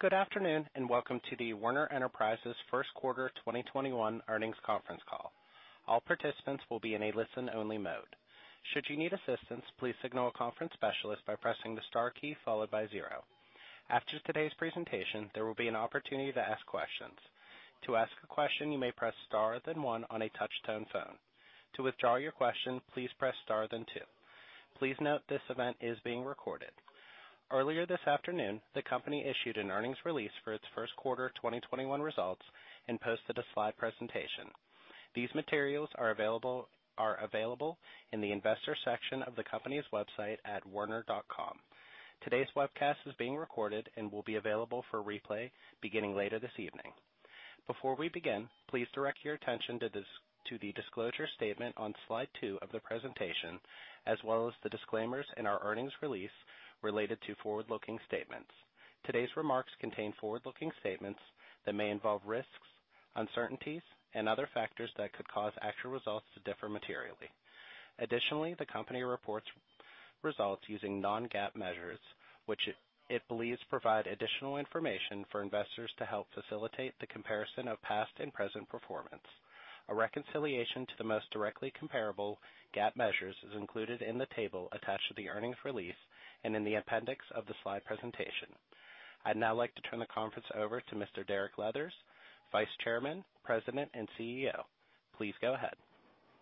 Good afternoon, and welcome to the Werner Enterprises First Quarter 2021 Earnings Conference Call. All participants will be in a listen-only mode. Should you need assistance, please signal a conference specialist by pressing the star key followed by zero. After today's presentation, there will be an opportunity to ask a question. To ask a question, you may press star then one on a touch-tone phone. To withdraw your question, please press star then two. Please note this event is being recorded. Earlier this afternoon, the company issued an earnings release for its first quarter 2021 results and posted a slide presentation. These materials are available in the investor section of the company's website at werner.com. Today's webcast is being recorded and will be available for replay beginning later this evening. Before we begin, please direct your attention to the disclosure statement on slide two of the presentation, as well as the disclaimers in our earnings release related to forward-looking statements. Today's remarks contain forward-looking statements that may involve risks, uncertainties, and other factors that could cause actual results to differ materially. Additionally, the company reports results using non-GAAP measures, which it believes provide additional information for investors to help facilitate the comparison of past and present performance. A reconciliation to the most directly comparable GAAP measures is included in the table attached to the earnings release and in the appendix of the slide presentation. I'd now like to turn the conference over to Mr. Derek Leathers, Vice Chairman, President, and CEO. Please go ahead.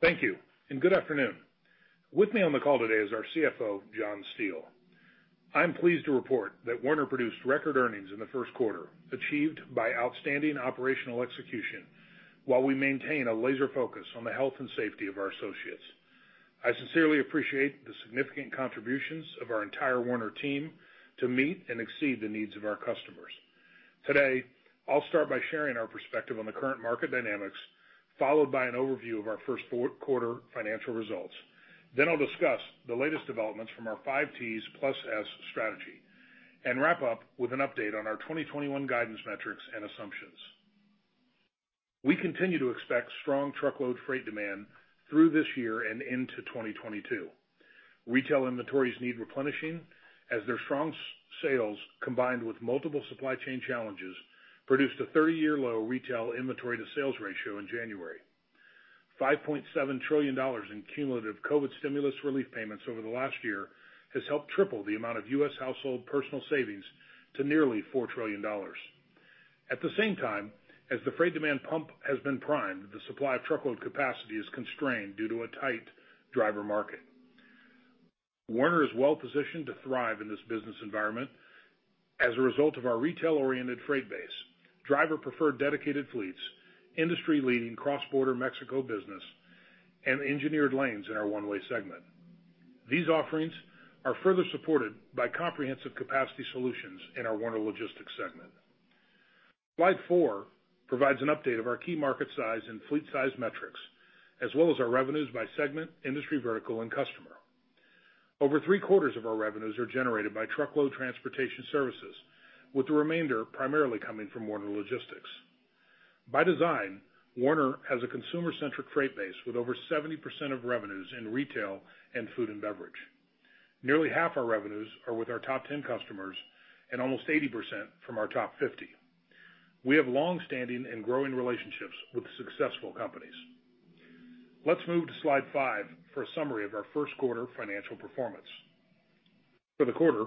Thank you, and good afternoon. With me on the call today is our CFO, John Steele. I'm pleased to report that Werner produced record earnings in the first quarter, achieved by outstanding operational execution while we maintain a laser focus on the health and safety of our associates. I sincerely appreciate the significant contributions of our entire Werner team to meet and exceed the needs of our customers. Today, I'll start by sharing our perspective on the current market dynamics, followed by an overview of our first quarter financial results. I'll discuss the latest developments from our Five Ts plus S strategy and wrap up with an update on our 2021 guidance metrics and assumptions. We continue to expect strong truckload freight demand through this year and into 2022. Retail inventories need replenishing as their strong sales, combined with multiple supply chain challenges, produced a 30-year low retail inventory to sales ratio in January. $5.7 trillion in cumulative COVID stimulus relief payments over the last year has helped triple the amount of U.S. household personal savings to nearly $4 trillion. At the same time, as the freight demand pump has been primed, the supply of truckload capacity is constrained due to a tight driver market. Werner is well-positioned to thrive in this business environment as a result of our retail-oriented freight base, driver-preferred dedicated fleets, industry-leading cross-border Mexico business, and engineered lanes in our One Way Segment. These offerings are further supported by comprehensive capacity solutions in our Werner Logistics segment. Slide four provides an update of our key market size and fleet size metrics, as well as our revenues by segment, industry vertical, and customer. Over three-quarters of our revenues are generated by truckload transportation services, with the remainder primarily coming from Werner Logistics. By design, Werner has a consumer-centric freight base with over 70% of revenues in retail and food and beverage. Nearly 1/2 our revenues are with our top 10 customers and almost 80% from our top 50. We have longstanding and growing relationships with successful companies. Let's move to slide five for a summary of our first quarter financial performance. For the quarter,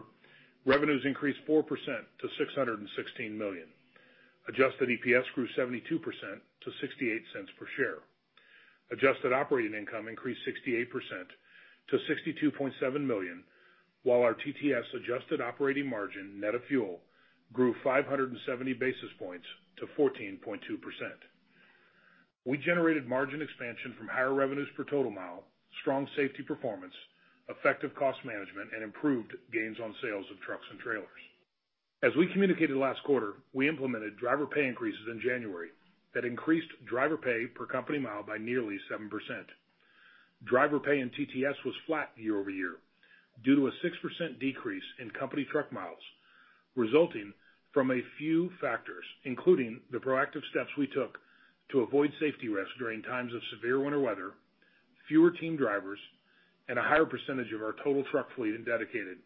revenues increased 4% to $616 million. Adjusted EPS grew 72% to $0.68 per share. Adjusted operating income increased 68% to $62.7 million, while our TTS adjusted operating margin net of fuel grew 570 basis points to 14.2%. We generated margin expansion from higher revenues per total mile, strong safety performance, effective cost management, and improved gains on sales of trucks and trailers. As we communicated last quarter, we implemented driver pay increases in January that increased driver pay per company mile by nearly 7%. Driver pay in TTS was flat year-over-year due to a 6% decrease in company truck miles, resulting from a few factors, including the proactive steps we took to avoid safety risks during times of severe winter weather, fewer team drivers, and a higher percentage of our total truck fleet in dedicated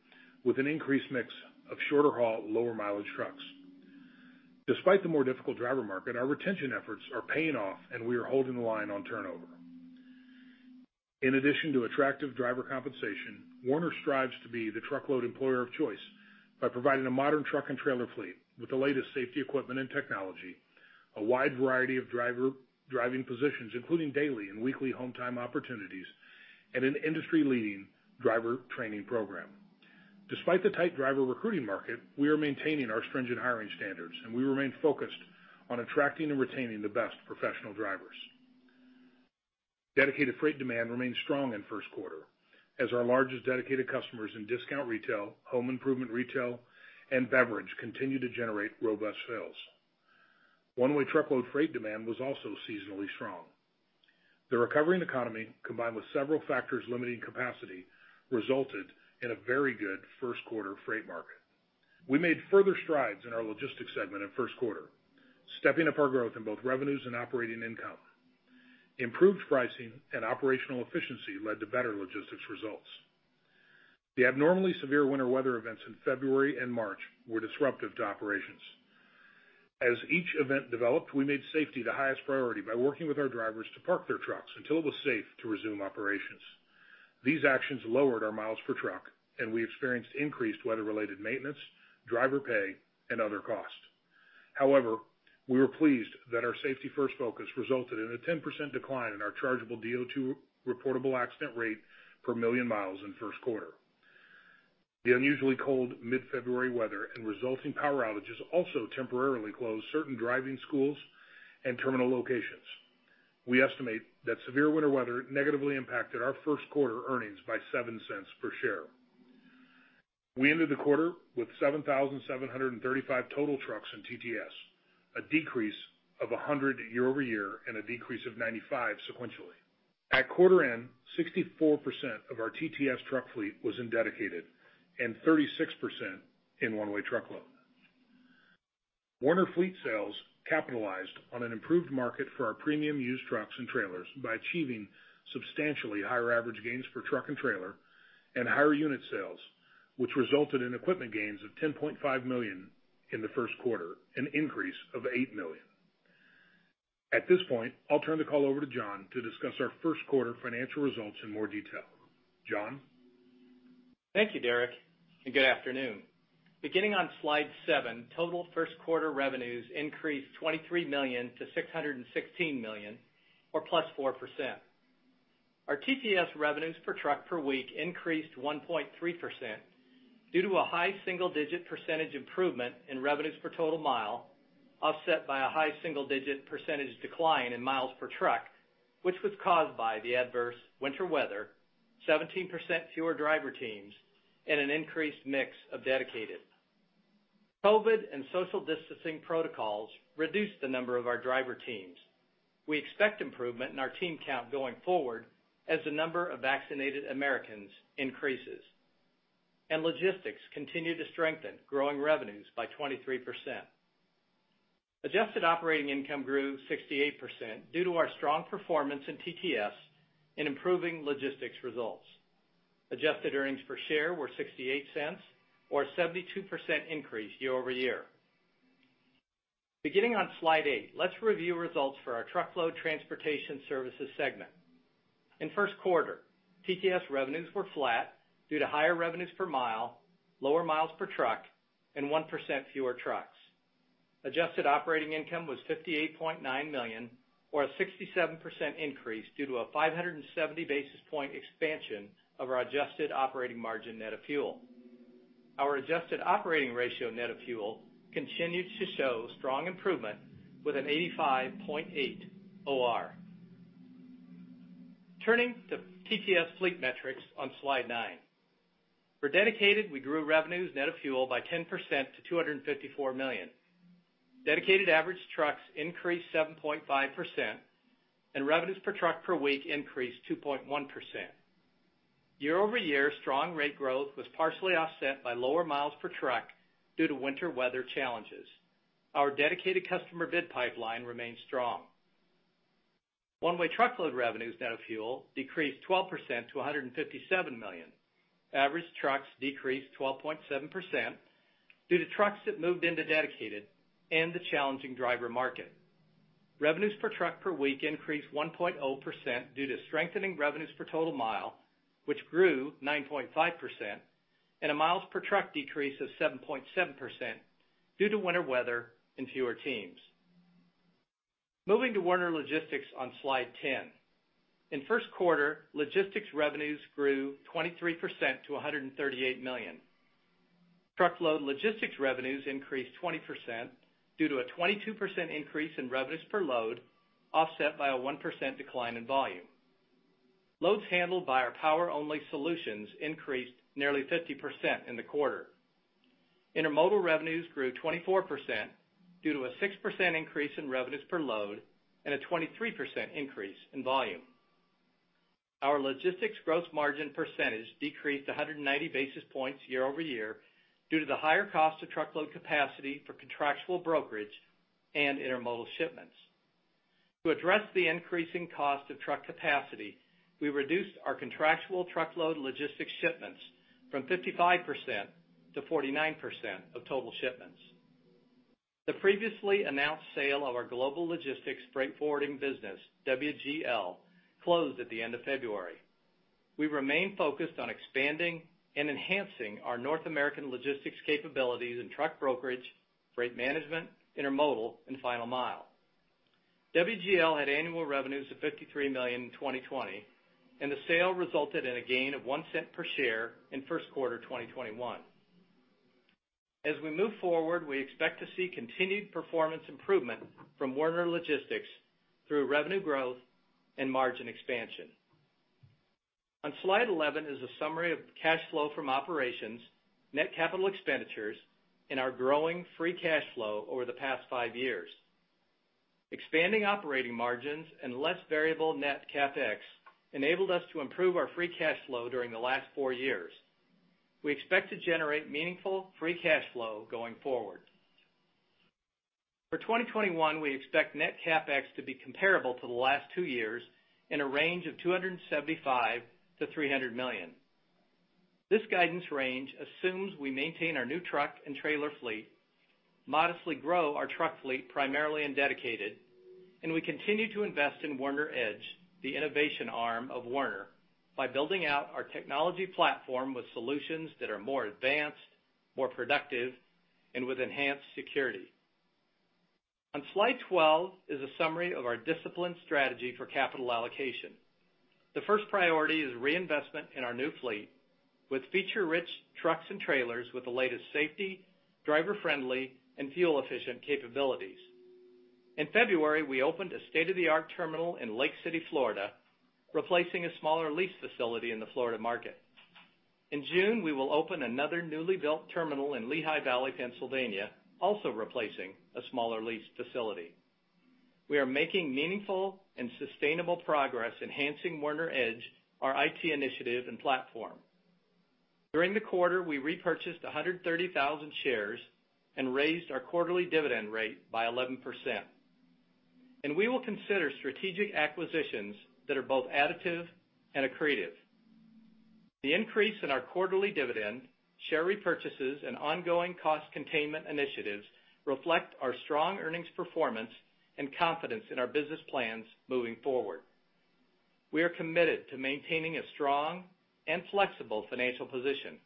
with an increased mix of shorter haul, lower mileage trucks. Despite the more difficult driver market, our retention efforts are paying off, and we are holding the line on turnover. In addition to attractive driver compensation, Werner strives to be the truckload employer of choice by providing a modern truck and trailer fleet with the latest safety equipment and technology, a wide variety of driving positions, including daily and weekly home time opportunities, and an industry-leading driver training program. Despite the tight driver recruiting market, we are maintaining our stringent hiring standards, and we remain focused on attracting and retaining the best professional drivers. Dedicated freight demand remained strong in the first quarter as our largest dedicated customers in discount retail, home improvement retail, and beverage continued to generate robust sales. One-way truckload freight demand was also seasonally strong. The recovering economy, combined with several factors limiting capacity, resulted in a very good first-quarter freight market. We made further strides in our Logistics segment in the first quarter, stepping up our growth in both revenues and operating income. Improved pricing and operational efficiency led to better Logistics results. The abnormally severe winter weather events in February and March were disruptive to operations. As each event developed, we made safety the highest priority by working with our drivers to park their trucks until it was safe to resume operations. These actions lowered our miles per truck, and we experienced increased weather-related maintenance, driver pay, and other costs. We were pleased that our safety-first focus resulted in a 10% decline in our chargeable DOT reportable accident rate per million miles in the first quarter. The unusually cold mid-February weather and resulting power outages also temporarily closed certain driving schools and terminal locations. We estimate that severe winter weather negatively impacted our first quarter earnings by $0.07 per share. We ended the quarter with 7,735 total trucks in TTS, a decrease of 100 year-over-year and a decrease of 95 sequentially. At quarter end, 64% of our TTS truck fleet was in dedicated and 36% in one-way truckload. Werner Fleet Sales capitalized on an improved market for our premium used trucks and trailers by achieving substantially higher average gains per truck and trailer and higher unit sales, which resulted in equipment gains of $10.5 million in the first quarter, an increase of $8 million. At this point, I'll turn the call over to John to discuss our first quarter financial results in more detail. John? Thank you, Derek, and good afternoon. Beginning on slide seven, total first quarter revenues increased $23 million-$616 million, or +4%. Our TTS revenues per truck per week increased 1.3% due to a high single-digit percentage improvement in revenues per total mile, offset by a high single-digit percentage decline in miles per truck, which was caused by the adverse winter weather, 17% fewer driver teams, and an increased mix of dedicated. COVID and social distancing protocols reduced the number of our driver teams. We expect improvement in our team count going forward as the number of vaccinated Americans increases. Logistics continue to strengthen, growing revenues by 23%. Adjusted operating income grew 68% due to our strong performance in TTS in improving logistics results. Adjusted earnings per share were $0.68, or a 72% increase year-over-year. Beginning on slide eight, let's review results for our Truckload Transportation Services Segment. In the first quarter, TTS revenues were flat due to higher revenues per mile, lower miles per truck, and 1% fewer trucks. Adjusted operating income was $58.9 million, or a 67% increase due to a 570 basis point expansion of our adjusted operating margin net of fuel. Our adjusted operating ratio net of fuel continues to show strong improvement with an 85.8 OR. Turning to TTS fleet metrics on slide nine. For Dedicated, we grew revenues net of fuel by 10% to $254 million. Dedicated average trucks increased 7.5% and revenues per truck per week increased 2.1%. Year-over-year, strong rate growth was partially offset by lower miles per truck due to winter weather challenges. Our Dedicated customer bid pipeline remains strong. One-way truckload revenues net of fuel decreased 12% to $157 million. Average trucks decreased 12.7% due to trucks that moved into Dedicated and the challenging driver market. Revenues per truck per week increased 1.0% due to strengthening revenues per total mile, which grew 9.5%, and a miles per truck decrease of 7.7% due to winter weather and fewer teams. Moving to Werner Logistics on Slide 10. In the first quarter, Logistics revenues grew 23% to $138 million. Truckload Logistics revenues increased 20% due to a 22% increase in revenues per load, offset by a 1% decline in volume. Loads handled by our power-only solutions increased nearly 50% in the quarter. Intermodal revenues grew 24% due to a 6% increase in revenues per load and a 23% increase in volume. Our Logistics gross margin percentage decreased 190 basis points year-over-year due to the higher cost of truckload capacity for contractual brokerage and intermodal shipments. To address the increasing cost of truck capacity, we reduced our contractual truckload logistics shipments from 55% to 49% of total shipments. The previously announced sale of our Werner Global Logistics freight forwarding business, WGL, closed at the end of February. We remain focused on expanding and enhancing our North American logistics capabilities in truck brokerage, rate management, intermodal, and final mile. WGL had annual revenues of $53 million in 2020, and the sale resulted in a gain of $0.01 per share in first quarter 2021. As we move forward, we expect to see continued performance improvement from Werner Logistics through revenue growth and margin expansion. On Slide 11 is a summary of cash flow from operations, net capital expenditures, and our growing free cash flow over the past five years. Expanding operating margins and less variable net CapEx enabled us to improve our free cash flow during the last four years. We expect to generate meaningful free cash flow going forward. For 2021, we expect net CapEx to be comparable to the last two years in a range of $275 million-$300 million. This guidance range assumes we maintain our new truck and trailer fleet, modestly grow our truck fleet primarily in dedicated, and we continue to invest in Werner EDGE, the innovation arm of Werner, by building out our technology platform with solutions that are more advanced, more productive, and with enhanced security. On slide 12 is a summary of our disciplined strategy for capital allocation. The first priority is reinvestment in our new fleet with feature-rich trucks and trailers with the latest safety, driver-friendly, and fuel-efficient capabilities. In February, we opened a state-of-the-art terminal in Lake City, Florida, replacing a smaller lease facility in the Florida market. In June, we will open another newly built terminal in Lehigh Valley, Pennsylvania, also replacing a smaller lease facility. We are making meaningful and sustainable progress enhancing Werner EDGE, our IT initiative and platform. During the quarter, we repurchased 130,000 shares and raised our quarterly dividend rate by 11%. We will consider strategic acquisitions that are both additive and accretive. The increase in our quarterly dividend, share repurchases, and ongoing cost containment initiatives reflect our strong earnings performance and confidence in our business plans moving forward. We are committed to maintaining a strong and flexible financial position.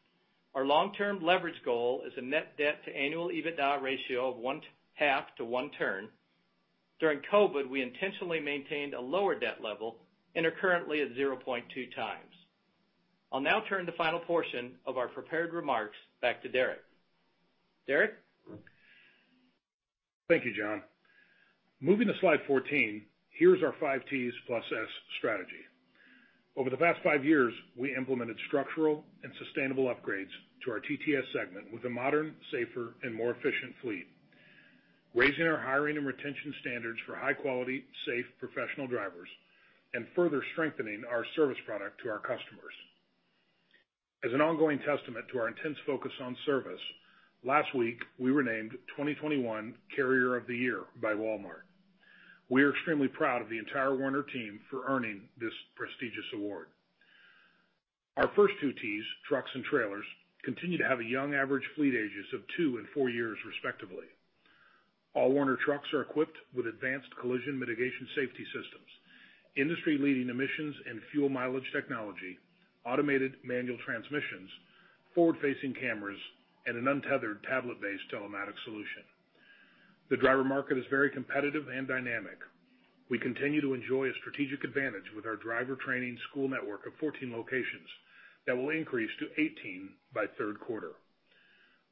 Our long-term leverage goal is a net debt to annual EBITDA ratio of 1/2 to one turn. During COVID, we intentionally maintained a lower debt level and are currently at 0.2x. I'll now turn the final portion of our prepared remarks back to Derek. Derek? Thank you, John. Moving to slide 14, here's our Five T's plus S strategy. Over the past five years, we implemented structural and sustainable upgrades to our TTS segment with a modern, safer, and more efficient fleet, raising our hiring and retention standards for high-quality, safe, professional drivers, and further strengthening our service product to our customers. As an ongoing testament to our intense focus on service, last week, we were named 2021 Carrier of the Year by Walmart. We are extremely proud of the entire Werner team for earning this prestigious award. Our first two Ts, trucks and trailers, continue to have a young average fleet ages of two and four years, respectively. All Werner trucks are equipped with advanced collision mitigation safety systems, industry-leading emissions and fuel mileage technology, automated manual transmissions, forward-facing cameras, and an untethered tablet-based telematics solution. The driver market is very competitive and dynamic. We continue to enjoy a strategic advantage with our driver training school network of 14 locations that will increase to 18 by third quarter.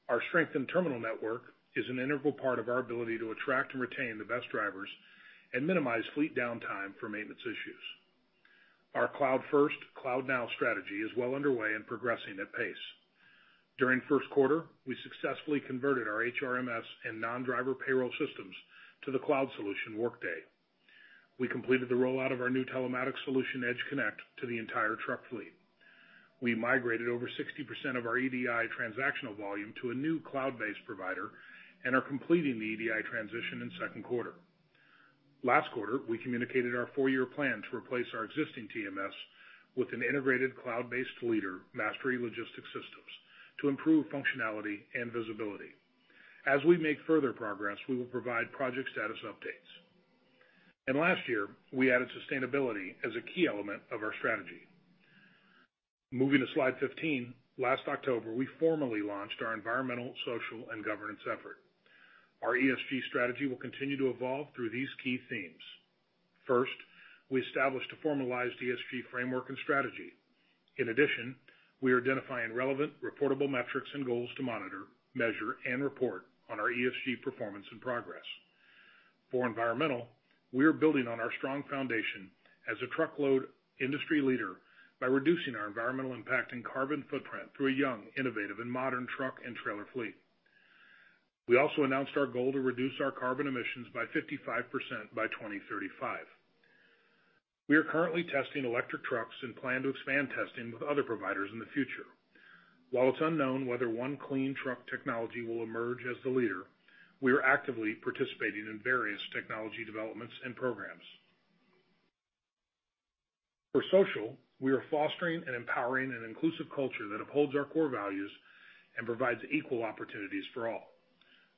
Our strength in terminal network is an integral part of our ability to attract and retain the best drivers and minimize fleet downtime for maintenance issues. Our Cloud First, Cloud Now strategy is well underway and progressing at pace. During the first quarter, we successfully converted our HRMS and non-driver payroll systems to the cloud solution Workday. We completed the rollout of our new telematics solution, EDGE Connect, to the entire truck fleet. We migrated over 60% of our EDI transactional volume to a new cloud-based provider and are completing the EDI transition in the second quarter. Last quarter, we communicated our four-year plan to replace our existing TMS with an integrated cloud-based leader, Mastery Logistics Systems, to improve functionality and visibility. As we make further progress, we will provide project status updates. Last year, we added sustainability as a key element of our strategy. Moving to slide 15, last October, we formally launched our Environmental, Social, and Governance effort. Our ESG strategy will continue to evolve through these key themes. First, we established a formalized ESG framework and strategy. In addition, we are identifying relevant reportable metrics and goals to monitor, measure, and report on our ESG performance and progress. For environmental, we are building on our strong foundation as a truckload industry leader by reducing our environmental impact and carbon footprint through a young, innovative, and modern truck and trailer fleet. We also announced our goal to reduce our carbon emissions by 55% by 2035. We are currently testing electric trucks and plan to expand testing with other providers in the future. While it's unknown whether one clean truck technology will emerge as the leader, we are actively participating in various technology developments and programs. For social, we are fostering and empowering an inclusive culture that upholds our core values and provides equal opportunities for all.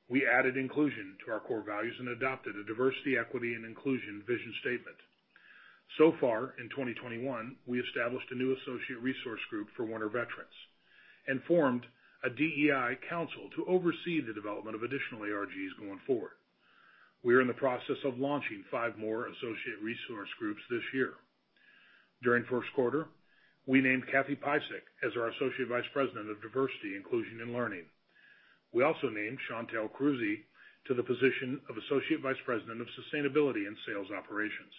We added inclusion to our core values and adopted a diversity, equity, and inclusion vision statement. So far, in 2021, we established a new associate resource group for Werner veterans and formed a DEI council to oversee the development of additional ARGs going forward. We are in the process of launching five more associate resource groups this year. During the first quarter, we named Cathy Pysyk as our Associate Vice President of Diversity, Inclusion, and Learning. We also named Chantel Kruse to the position of Associate Vice President of Sustainability and Sales Operations.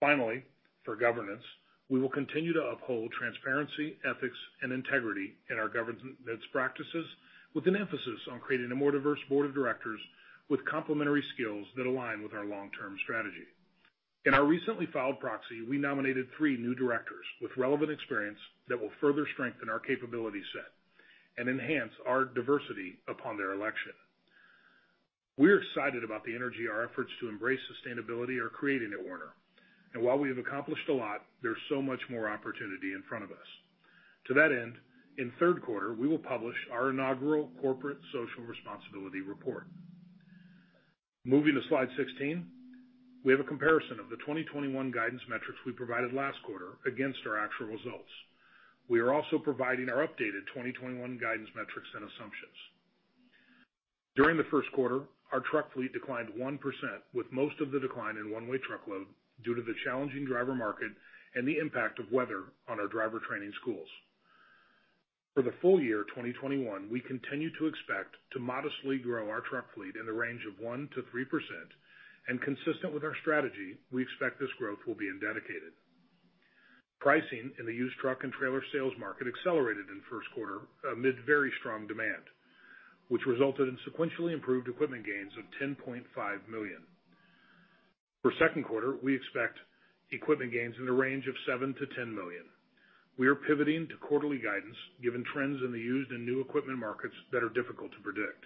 Finally, for governance, we will continue to uphold transparency, ethics, and integrity in our governance practices with an emphasis on creating a more diverse board of directors with complementary skills that align with our long-term strategy. In our recently filed proxy, we nominated three new directors with relevant experience that will further strengthen our capability set and enhance our diversity upon their election. We're excited about the energy our efforts to embrace sustainability are creating at Werner. While we have accomplished a lot, there's so much more opportunity in front of us. To that end, in third quarter, we will publish our inaugural corporate social responsibility report. Moving to slide 16, we have a comparison of the 2021 guidance metrics we provided last quarter against our actual results. We are also providing our updated 2021 guidance metrics and assumptions. During the first quarter, our truck fleet declined 1%, with most of the decline in one-way truckload due to the challenging driver market and the impact of weather on our driver training schools. For the full year 2021, we continue to expect to modestly grow our truck fleet in the range of 1%-3%, and consistent with our strategy, we expect this growth will be in dedicated. Pricing in the used truck and trailer sales market accelerated in first quarter amid very strong demand, which resulted in sequentially improved equipment gains of $10.5 million. For second quarter, we expect equipment gains in the range of $7 million-$10 million. We are pivoting to quarterly guidance, given trends in the used and new equipment markets that are difficult to predict.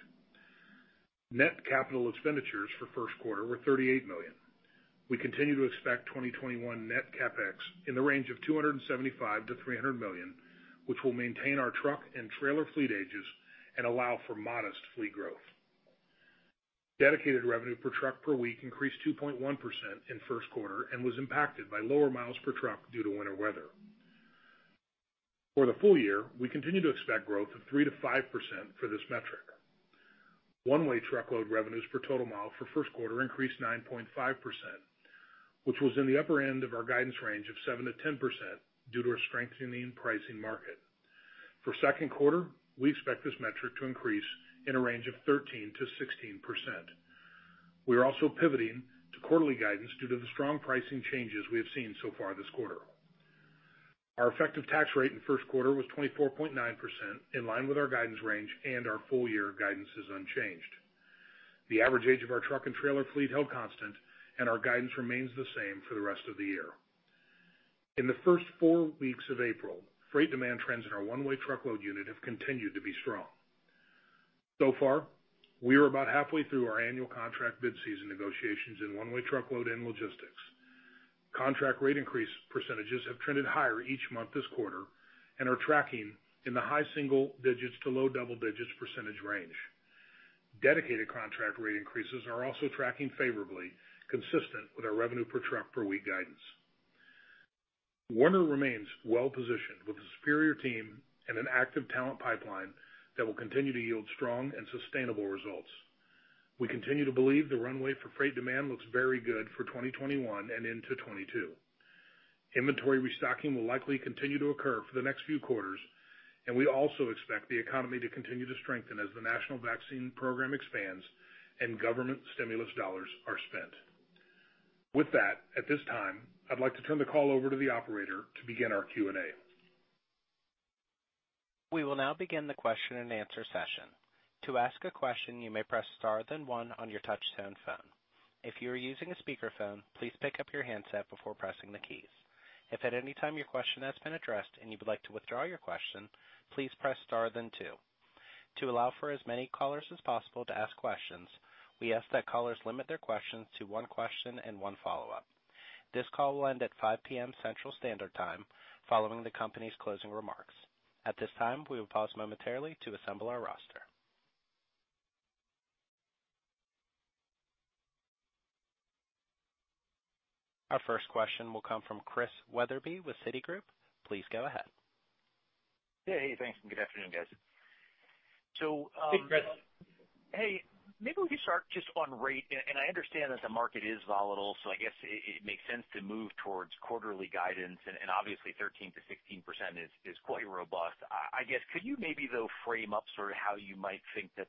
Net capital expenditures for first quarter were $38 million. We continue to expect 2021 net CapEx in the range of $275 million-$300 million, which will maintain our truck and trailer fleet ages and allow for modest fleet growth. Dedicated revenue per truck per week increased 2.1% in first quarter and was impacted by lower miles per truck due to winter weather. For the full year, we continue to expect growth of 3%-5% for this metric. One-way truckload revenues per total mile for first quarter increased 9.5%, which was in the upper end of our guidance range of 7%-10% due to a strengthening pricing market. For second quarter, we expect this metric to increase in a range of 13%-16%. We are also pivoting to quarterly guidance due to the strong pricing changes we have seen so far this quarter. Our effective tax rate in first quarter was 24.9%, in line with our guidance range, and our full-year guidance is unchanged. The average age of our truck and trailer fleet held constant, and our guidance remains the same for the rest of the year. In the first four weeks of April, freight demand trends in our one-way truckload unit have continued to be strong. So far, we are about halfway through our annual contract bid season negotiations in one-way truckload and logistics. Contract rate increase percentages have trended higher each month this quarter and are tracking in the high single digits to low double digits percentage range. Dedicated contract rate increases are also tracking favorably, consistent with our revenue per truck per week guidance. Werner remains well-positioned with a superior team and an active talent pipeline that will continue to yield strong and sustainable results. We continue to believe the runway for freight demand looks very good for 2021 and into 2022. Inventory restocking will likely continue to occur for the next few quarters, and we also expect the economy to continue to strengthen as the national vaccine program expands and government stimulus dollars are spent. With that, at this time, I'd like to turn the call over to the operator to begin our Q&A. We will now begin the question and answer session. To ask a question, you may press star then one on your touchtone phone. If you are using a speakerphone, please pick up your handset before pressing the keys. If at any time your question has been addressed and you would like to withdraw your question, please press star then two. To allow for as many callers as possible to ask questions, we ask that callers limit their questions to one question and one follow-up. This call will end at 5:00 P.M. Central Standard Time, following the company's closing remarks. At this time, we will pause momentarily to assemble our roster. Our first question will come from Chris Wetherbee with Citigroup. Please go ahead. Yeah. Hey, thanks, and good afternoon, guys. Hey, Chris. Hey, maybe we could start just on rate. I understand that the market is volatile. I guess it makes sense to move towards quarterly guidance and, obviously, 13%-16% is quite robust. I guess, could you maybe, though, frame up sort of how you might think that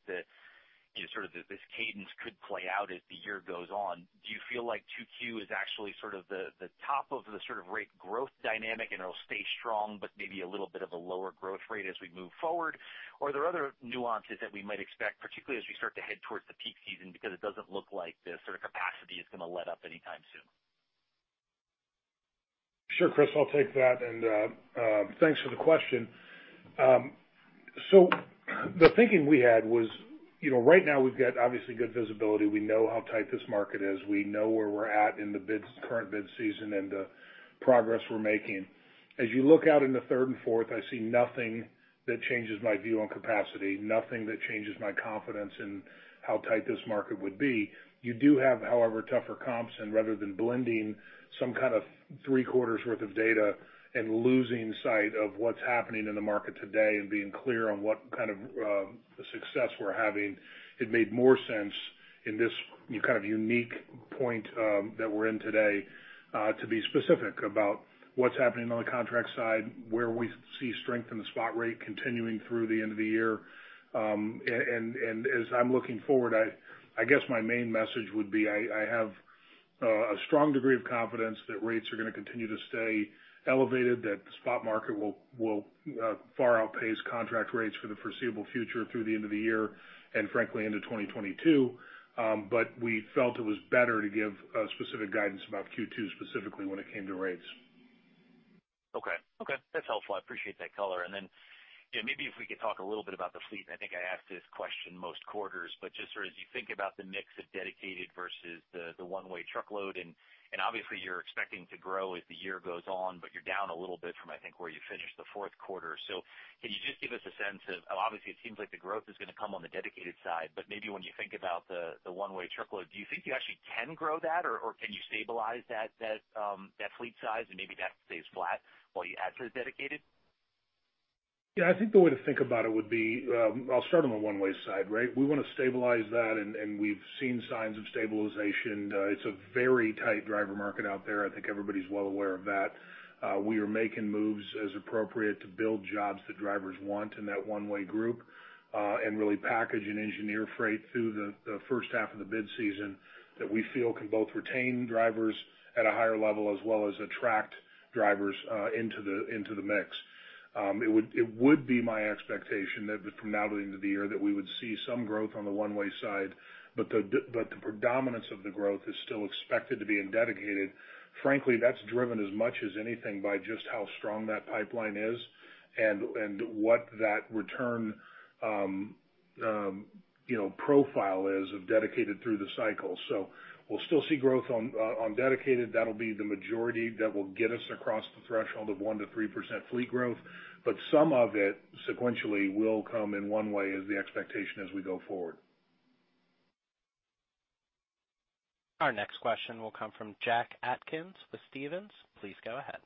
this cadence could play out as the year goes on? Do you feel like 2Q is actually sort of the top of the rate growth dynamic and it'll stay strong, but maybe a little bit of a lower growth rate as we move forward? Are there other nuances that we might expect, particularly as we start to head towards the peak season, because it doesn't look like the sort of capacity is going to let up anytime soon? Sure, Chris, I'll take that, and thanks for the question. The thinking we had was, right now we've got obviously good visibility. We know how tight this market is. We know where we're at in the current bid season and the progress we're making. As you look out into third and fourth, I see nothing that changes my view on capacity, nothing that changes my confidence in how tight this market would be. You do have, however, tougher comps, and rather than blending some kind of three quarters worth of data and losing sight of what's happening in the market today and being clear on what kind of success we're having, it made more sense in this kind of unique point that we're in today to be specific about what's happening on the contract side, where we see strength in the spot rate continuing through the end of the year. As I'm looking forward, I guess my main message would be, I have a strong degree of confidence that rates are going to continue to stay elevated, that the spot market will far outpace contract rates for the foreseeable future through the end of the year, and frankly into 2022. We felt it was better to give specific guidance about Q2 specifically when it came to rates. Okay. That's helpful. I appreciate that color. Maybe if we could talk a little bit about the fleet, and I think I ask this question most quarters, but just sort of as you think about the mix of dedicated versus the one-way truckload, and obviously you're expecting to grow as the year goes on, but you're down a little bit from, I think, where you finished the fourth quarter. Can you just give us a sense of, obviously it seems like the growth is going to come on the dedicated side, but maybe when you think about the one-way truckload, do you think you actually can grow that or can you stabilize that fleet size and maybe that stays flat while you add to the dedicated? I think the way to think about it would be, I'll start on the one-way side, right? We want to stabilize that, and we've seen signs of stabilization. It's a very tight driver market out there. I think everybody's well aware of that. We are making moves as appropriate to build jobs that drivers want in that one-way group, and really package and engineer freight through the first half of the bid season that we feel can both retain drivers at a higher level as well as attract drivers into the mix. It would be my expectation that from now into the year that we would see some growth on the one-way side, but the predominance of the growth is still expected to be in dedicated. Frankly, that's driven as much as anything by just how strong that pipeline is and what that return profile is of dedicated through the cycle. We'll still see growth on dedicated. That'll be the majority that will get us across the threshold of 1%-3% fleet growth, but some of it sequentially will come in one-way is the expectation as we go forward. Our next question will come from Jack Atkins with Stephens. Please go ahead.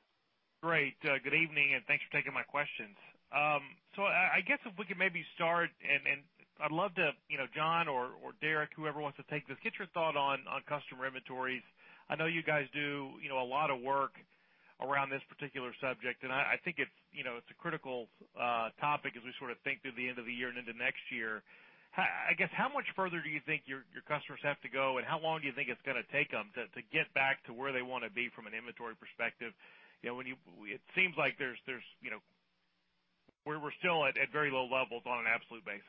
Great. Good evening, and thanks for taking my questions. I guess if we could maybe start, and I'd love to, John or Derek, whoever wants to take this, get your thought on customer inventories. I know you guys do a lot of work around this particular subject, and I think it's a critical topic as we sort of think through the end of the year and into next year. How much further do you think your customers have to go, and how long do you think it's going to take them to get back to where they want to be from an inventory perspective? It seems like we're still at very low levels on an absolute basis.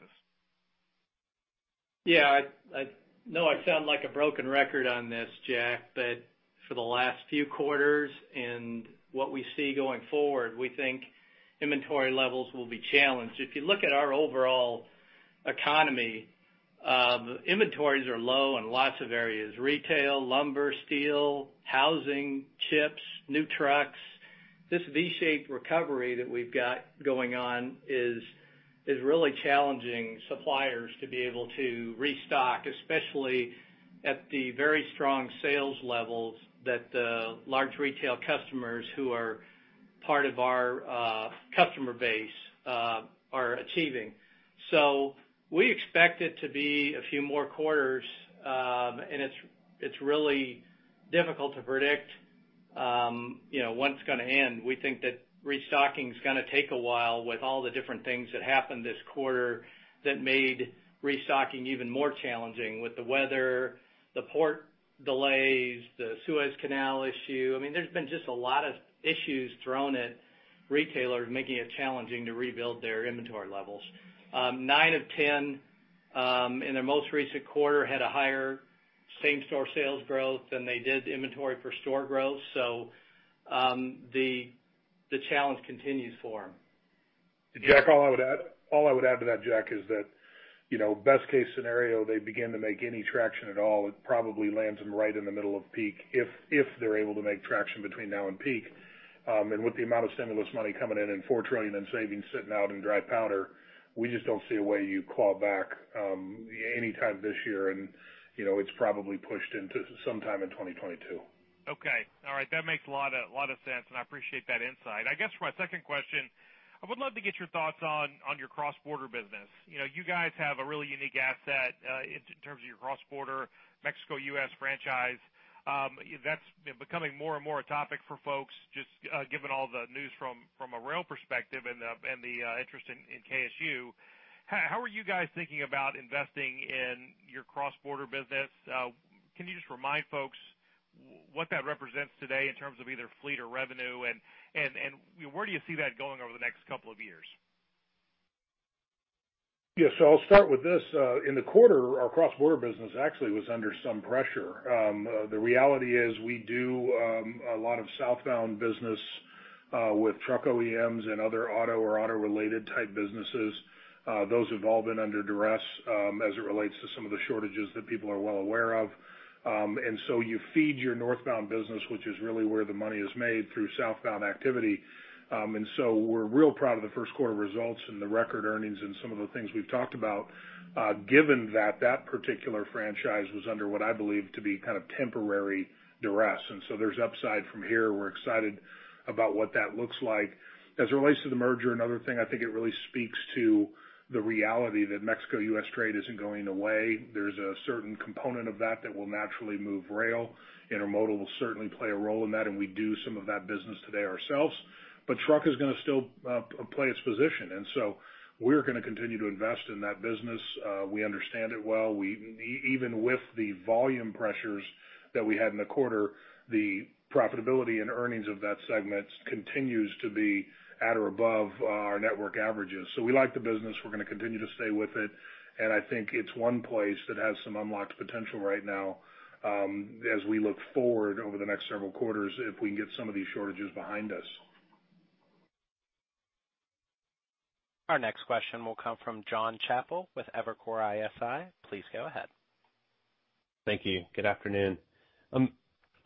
Yeah. I know I sound like a broken record on this, Jack, but for the last few quarters and what we see going forward, we think inventory levels will be challenged. If you look at our overall economy, inventories are low in lots of areas: retail, lumber, steel, housing, chips, new trucks. This V-shaped recovery that we've got going on is really challenging suppliers to be able to restock, especially at the very strong sales levels that the large retail customers who are part of our customer base are achieving. We expect it to be a few more quarters, and it's really difficult to predict when it's going to end. We think that restocking is going to take a while with all the different things that happened this quarter that made restocking even more challenging with the weather, the port delays, the Suez Canal issue. There's been just a lot of issues thrown at retailers, making it challenging to rebuild their inventory levels. Nine of 10, in their most recent quarter, had a higher same-store sales growth than they did inventory per store growth. The challenge continues for them. Jack, all I would add to that, Jack, is that best case scenario, they begin to make any traction at all. It probably lands them right in the middle of peak if they're able to make traction between now and peak. With the amount of stimulus money coming in and $4 trillion in savings sitting out in dry powder, we just don't see a way you claw back anytime this year, and it's probably pushed into sometime in 2022. Okay. All right. That makes a lot of sense, and I appreciate that insight. I guess for my second question, I would love to get your thoughts on your cross-border business. You guys have a really unique asset in terms of your cross-border Mexico-U.S. franchise. That's becoming more and more a topic for folks, just given all the news from a rail perspective and the interest in KSU. How are you guys thinking about investing in your cross-border business? Can you just remind folks what that represents today in terms of either fleet or revenue, and where do you see that going over the next couple of years? I'll start with this. In the quarter, our cross-border business actually was under some pressure. The reality is we do a lot of southbound business with truck OEMs and other auto or auto-related type businesses. Those have all been under duress as it relates to some of the shortages that people are well aware of. You feed your northbound business, which is really where the money is made, through southbound activity. We're real proud of the first quarter results and the record earnings and some of the things we've talked about, given that that particular franchise was under what I believe to be kind of temporary duress. There's upside from here. We're excited about what that looks like. As it relates to the merger, another thing I think it really speaks to the reality that Mexico-U.S. trade isn't going away. There's a certain component of that that will naturally move rail. Intermodal will certainly play a role in that, and we do some of that business today ourselves. Truck is going to still play its position. We're going to continue to invest in that business. We understand it well. Even with the volume pressures that we had in the quarter, the profitability and earnings of that segment continues to be at or above our network averages. We like the business. We're going to continue to stay with it, and I think it's one place that has some unlocked potential right now as we look forward over the next several quarters if we can get some of these shortages behind us. Our next question will come from Jon Chappell with Evercore ISI. Please go ahead. Thank you. Good afternoon.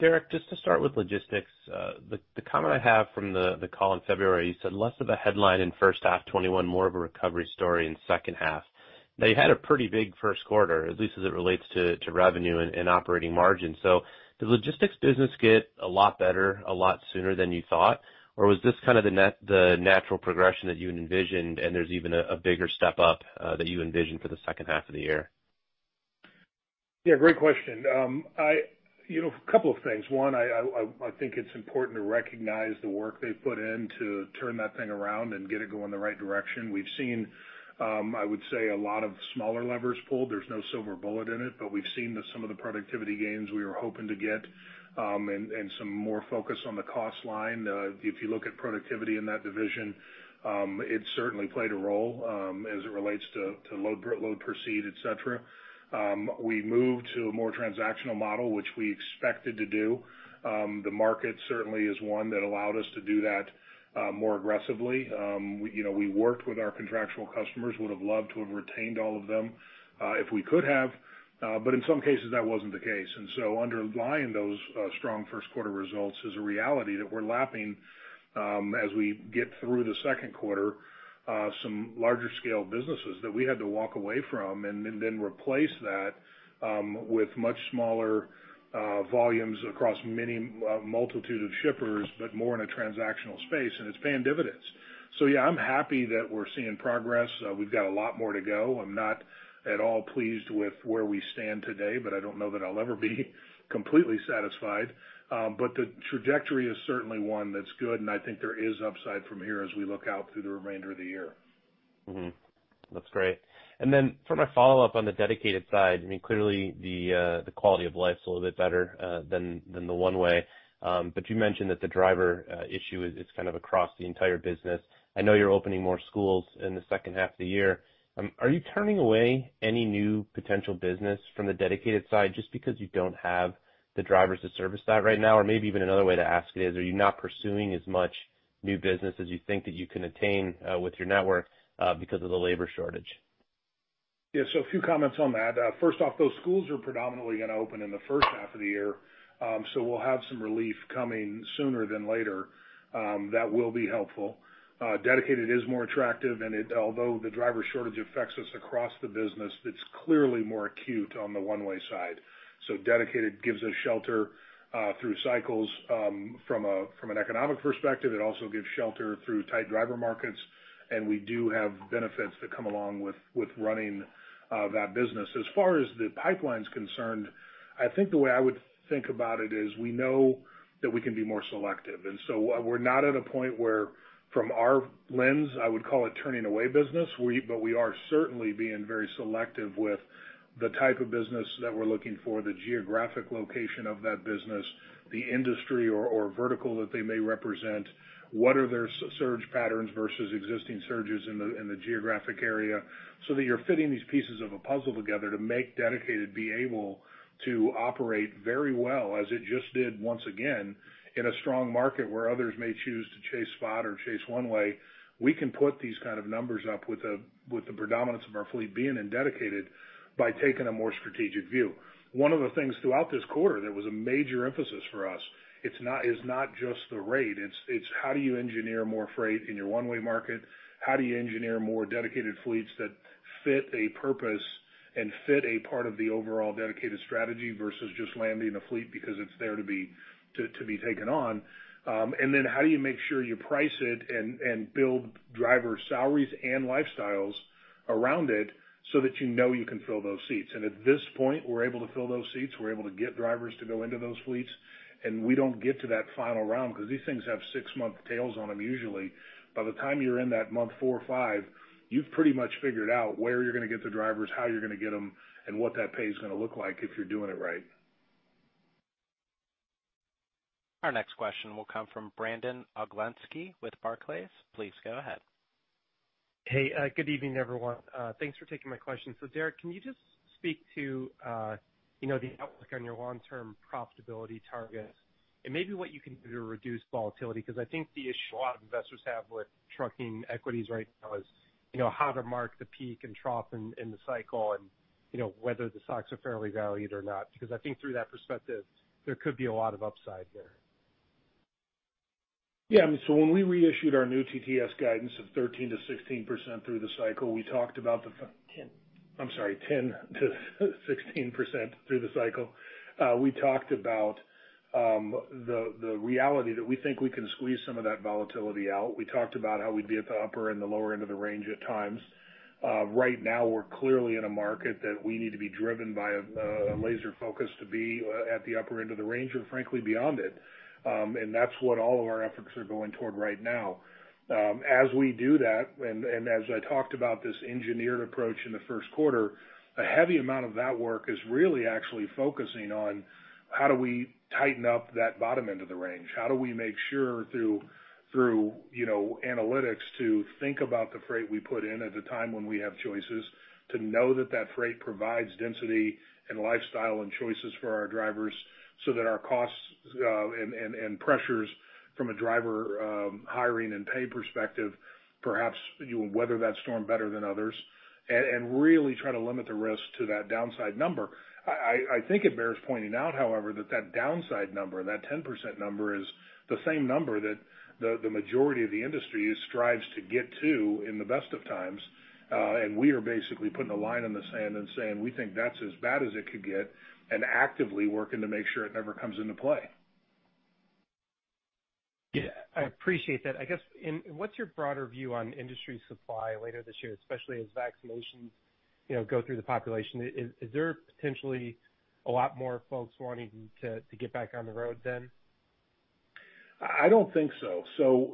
Derek, just to start with logistics, the comment I have from the call in February, you said less of a headline in first half 2021, more of a recovery story in second half. You had a pretty big first quarter, at least as it relates to revenue and operating margin. Did logistics business get a lot better, a lot sooner than you thought? Or was this the natural progression that you had envisioned, and there's even a bigger step up that you envision for the second half of the year? Yeah, great question. A couple of things. One, I think it's important to recognize the work they've put in to turn that thing around and get it going in the right direction. We've seen, I would say, a lot of smaller levers pulled. There's no silver bullet in it, but we've seen some of the productivity gains we were hoping to get, and some more focus on the cost line. If you look at productivity in that division, it certainly played a role, as it relates to load per seat, et cetera. We moved to a more transactional model, which we expected to do. The market certainly is one that allowed us to do that more aggressively. We worked with our contractual customers, would have loved to have retained all of them if we could have. In some cases, that wasn't the case. Underlying those strong first quarter results is a reality that we're lapping, as we get through the second quarter, some larger scale businesses that we had to walk away from and then replace that with much smaller volumes across many multitude of shippers, but more in a transactional space, and it's paying dividends. Yeah, I'm happy that we're seeing progress. We've got a lot more to go. I'm not at all pleased with where we stand today, but I don't know that I'll ever be completely satisfied. The trajectory is certainly one that's good, and I think there is upside from here as we look out through the remainder of the year. That's great. For my follow-up on the dedicated side, clearly the quality of life's a little bit better than the one-way. You mentioned that the driver issue is kind of across the entire business. I know you're opening more schools in the second half of the year. Are you turning away any new potential business from the dedicated side just because you don't have the drivers to service that right now? Maybe even another way to ask it is, are you not pursuing as much new business as you think that you can attain with your network because of the labor shortage? Yeah. A few comments on that. First off, those schools are predominantly going to open in the first half of the year. We'll have some relief coming sooner than later. That will be helpful. Dedicated is more attractive, and although the driver shortage affects us across the business, it's clearly more acute on the one-way side. Dedicated gives us shelter through cycles from an economic perspective. It also gives shelter through tight driver markets, and we do have benefits that come along with running that business. As far as the pipeline's concerned, I think the way I would think about it is we know that we can be more selective. We're not at a point where, from our lens, I would call it turning away business, but we are certainly being very selective with the type of business that we're looking for, the geographic location of that business, the industry or vertical that they may represent, what are their surge patterns versus existing surges in the geographic area, so that you're fitting these pieces of a puzzle together to make dedicated be able to operate very well as it just did once again in a strong market where others may choose to chase spot or chase one way. We can put these kinds of numbers up with the predominance of our fleet being in dedicated by taking a more strategic view. One of the things throughout this quarter that was a major emphasis for us, it's not just the rate, it's how do you engineer more freight in your one-way market? How do you engineer more dedicated fleets that fit a purpose and fit a part of the overall dedicated strategy versus just landing a fleet because it's there to be taken on? How do you make sure you price it and build driver salaries and lifestyles around it so that you know you can fill those seats? At this point, we're able to fill those seats. We're able to get drivers to go into those fleets, and we don't get to that final round because these things have six-month tails on them usually. By the time you're in that month four or five, you've pretty much figured out where you're going to get the drivers, how you're going to get them, and what that pay is going to look like if you're doing it right. Our next question will come from Brandon Oglenski with Barclays. Please go ahead. Hey. Good evening, everyone. Thanks for taking my question. Derek, can you just speak to the outlook on your long-term profitability targets and maybe what you can do to reduce volatility? I think the issue a lot of investors have with trucking equities right now is how to mark the peak and trough in the cycle and whether the stocks are fairly valued or not. I think through that perspective, there could be a lot of upsides there. Yeah. When we reissued our new TTS guidance of 13%-16% through the cycle, we talked about. 10. I'm sorry, 10%-16% through the cycle. We talked about the reality that we think we can squeeze some of that volatility out. We talked about how we'd be at the upper and the lower end of the range at times. Right now, we're clearly in a market that we need to be driven by a laser focus to be at the upper end of the range, and frankly, beyond it. That's what all of our efforts are going toward right now. As we do that, and as I talked about this engineered approach in the first quarter, a heavy amount of that work is really actually focusing on how do we tighten up that bottom end of the range? How do we make sure through analytics to think about the freight we put in at a time when we have choices to know that that freight provides density and lifestyle and choices for our drivers so that our costs and pressures from a driver hiring and pay perspective, perhaps you will weather that storm better than others, and really try to limit the risk to that downside number. I think it bears pointing out, however, that that downside number, that 10% number, is the same number that the majority of the industry strives to get to in the best of times. We are basically putting a line in the sand and saying, we think that's as bad as it could get, and actively working to make sure it never comes into play. Yeah, I appreciate that. I guess, what's your broader view on industry supply later this year, especially as vaccinations go through the population? Is there potentially a lot more folks wanting to get back on the road then? I don't think so.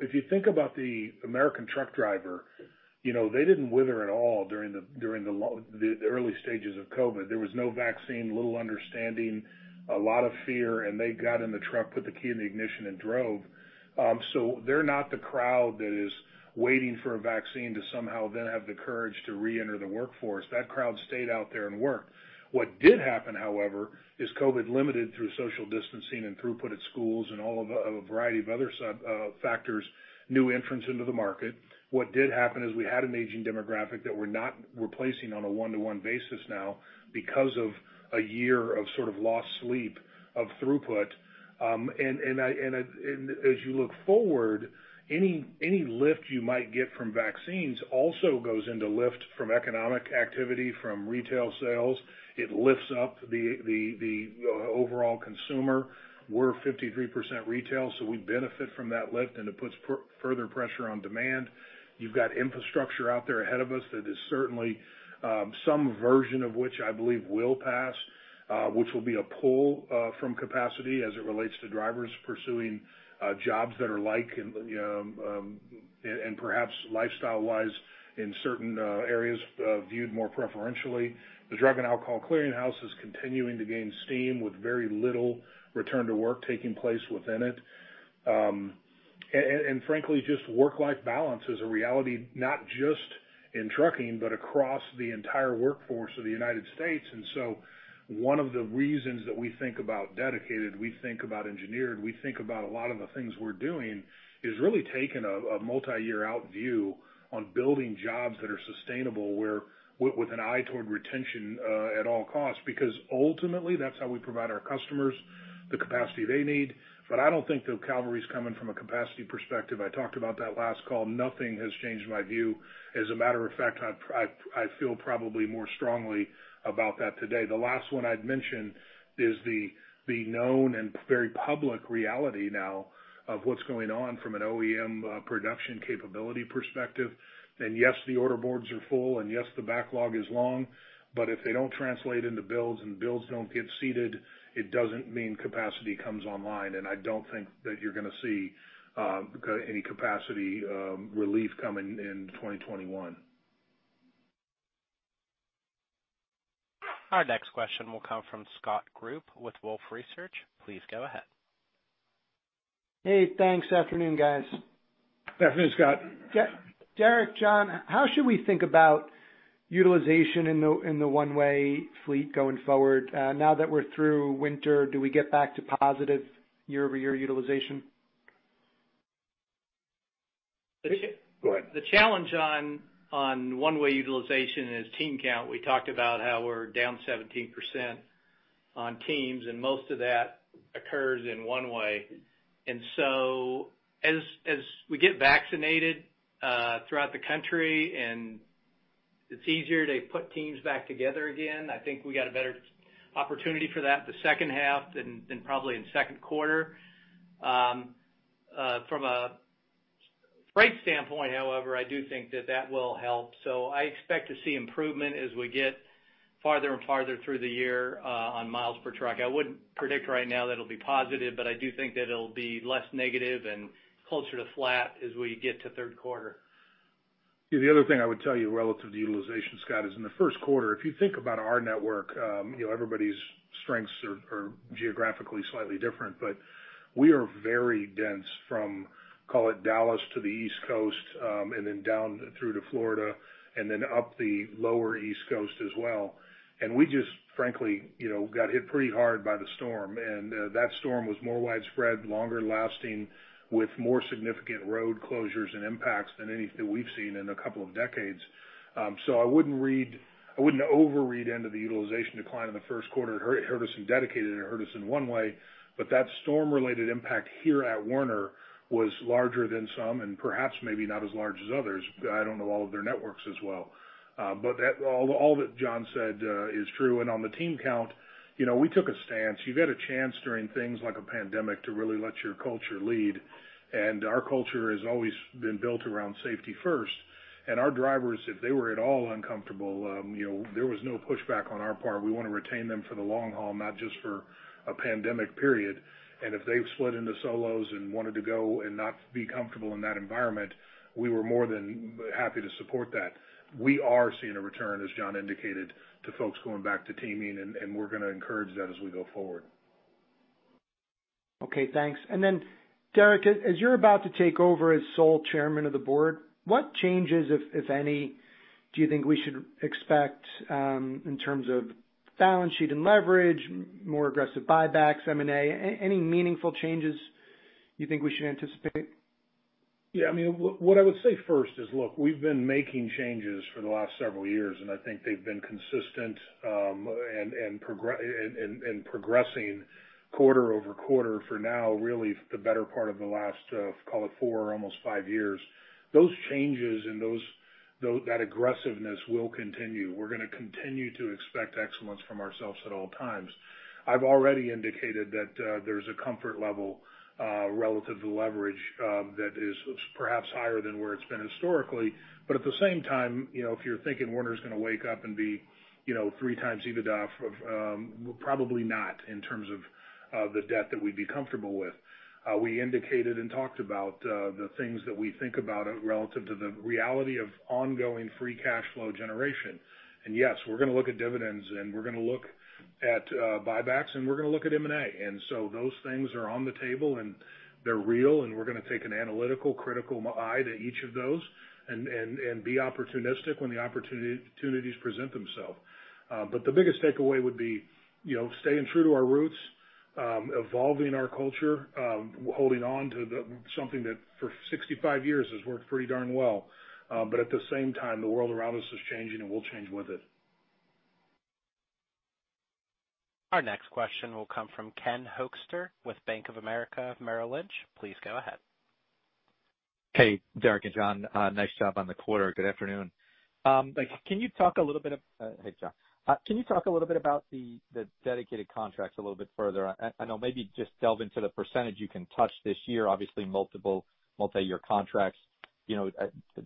If you think about the American truck driver, they didn't wither at all during the early stages of COVID. There was no vaccine, little understanding, a lot of fear, and they got in the truck, put the key in the ignition and drove. They're not the crowd that is waiting for a vaccine to somehow then have the courage to reenter the workforce. That crowd stayed out there and worked. What did happen, however, is COVID limited through social distancing and throughput at schools and all of a variety of other factors, new entrants into the market. What did happen is we had an aging demographic that we're not replacing on a one-to-one basis now because of a year of sort of lost sleep of throughput. As you look forward, any lift you might get from vaccines also goes into lift from economic activity, from retail sales. It lifts up the overall consumer. We're 53% retail, so we benefit from that lift, and it puts further pressure on demand. You've got infrastructure out there ahead of us that is certainly some version of which I believe will pass, which will be a pull from capacity as it relates to drivers pursuing jobs that are like and perhaps lifestyle-wise in certain areas, viewed more preferentially. The Drug and Alcohol Clearinghouse is continuing to gain steam with very little return to work taking place within it. Frankly, just work-life balance is a reality, not just in trucking, but across the entire workforce of the United States. One of the reasons that we think about dedicated, we think about engineered, we think about a lot of the things we're doing is really taking a multi-year-out view on building jobs that are sustainable with an eye toward retention at all costs. Because ultimately, that's how we provide our customers the capacity they need. But I don't think the cavalry's coming from a capacity perspective. I talked about that last call. Nothing has changed my view. As a matter of fact, I feel probably more strongly about that today. The last one I'd mention is the known and very public reality now of what's going on from an OEM production capability perspective. Yes, the order boards are full, and yes, the backlog is long. If they don't translate into builds and builds don't get seated, it doesn't mean capacity comes online. I don't think that you're going to see any capacity relief coming in 2021. Our next question will come from Scott Group with Wolfe Research. Please go ahead. Hey, thanks. Afternoon, guys. Afternoon, Scott. Derek, John, how should we think about utilization in the one-way fleet going forward? Now that we're through winter, do we get back to positive year-over-year utilization? Go ahead. The challenge on one-way utilization is team count. We talked about how we're down 17% on teams. Most of that occurs in one way. As we get vaccinated throughout the country, and it's easier to put teams back together again, I think we got a better opportunity for that the second half than probably in the second quarter. From a freight standpoint, however, I do think that that will help. I expect to see improvement as we get farther and farther through the year on miles per truck. I wouldn't predict right now that it'll be positive, but I do think that it'll be less negative and closer to flat as we get to the third quarter. The other thing I would tell you relative to utilization, Scott, is in the first quarter, if you think about our network, everybody's strengths are geographically slightly different, but we are very dense from, call it Dallas to the East Coast, and then down through to Florida, and then up the lower East Coast as well. We just frankly got hit pretty hard by the storm. That storm was more widespread, longer lasting with more significant road closures and impacts than anything we've seen in a couple of decades. I wouldn't overread into the utilization decline in the first quarter. It hurt us in dedicated and it hurt us in one way, but that storm-related impact here at Werner was larger than some, and perhaps maybe not as large as others. I don't know all of their networks as well. All that John said is true. On the team count, we took a stance. You get a chance during things like a pandemic to really let your culture lead, and our culture has always been built around safety first. Our drivers, if they were at all uncomfortable, there was no pushback on our part. We want to retain them for the long haul, not just for a pandemic period. If they've split into solos and wanted to go and not be comfortable in that environment, we were more than happy to support that. We are seeing a return, as John indicated, to folks going back to teaming, and we're going to encourage that as we go forward. Okay, thanks. Derek, as you're about to take over as sole Chairman of the Board, what changes, if any, do you think we should expect in terms of balance sheet and leverage, more aggressive buybacks, M&A? Any meaningful changes you think we should anticipate? Yeah. What I would say first is, look, we've been making changes for the last several years, and I think they've been consistent and progressing quarter-over-quarter for now, really the better part of the last, call it four, almost five years. That aggressiveness will continue. We're going to continue to expect excellence from ourselves at all times. I've already indicated that there's a comfort level relative to leverage that is perhaps higher than where it's been historically. At the same time, if you're thinking Werner's going to wake up and be 3x EBITDA, probably not in terms of the debt that we'd be comfortable with. We indicated and talked about the things that we think about relative to the reality of ongoing free cash flow generation. Yes, we're going to look at dividends, and we're going to look at buybacks, and we're going to look at M&A. Those things are on the table, and they're real, and we're going to take an analytical, critical eye to each of those and be opportunistic when the opportunities present themselves. The biggest takeaway would be staying true to our roots, evolving our culture, holding on to something that for 65 years has worked pretty darn well. At the same time, the world around us is changing, and we'll change with it. Our next question will come from Ken Hoexter with Bank of America Merrill Lynch. Please go ahead. Hey, Derek and John. Nice job on the quarter. Good afternoon. Hey, John. Can you talk a little bit about the dedicated contracts a little bit further? I know maybe just delve into the percentage you can touch this year. Obviously, multiyear contracts.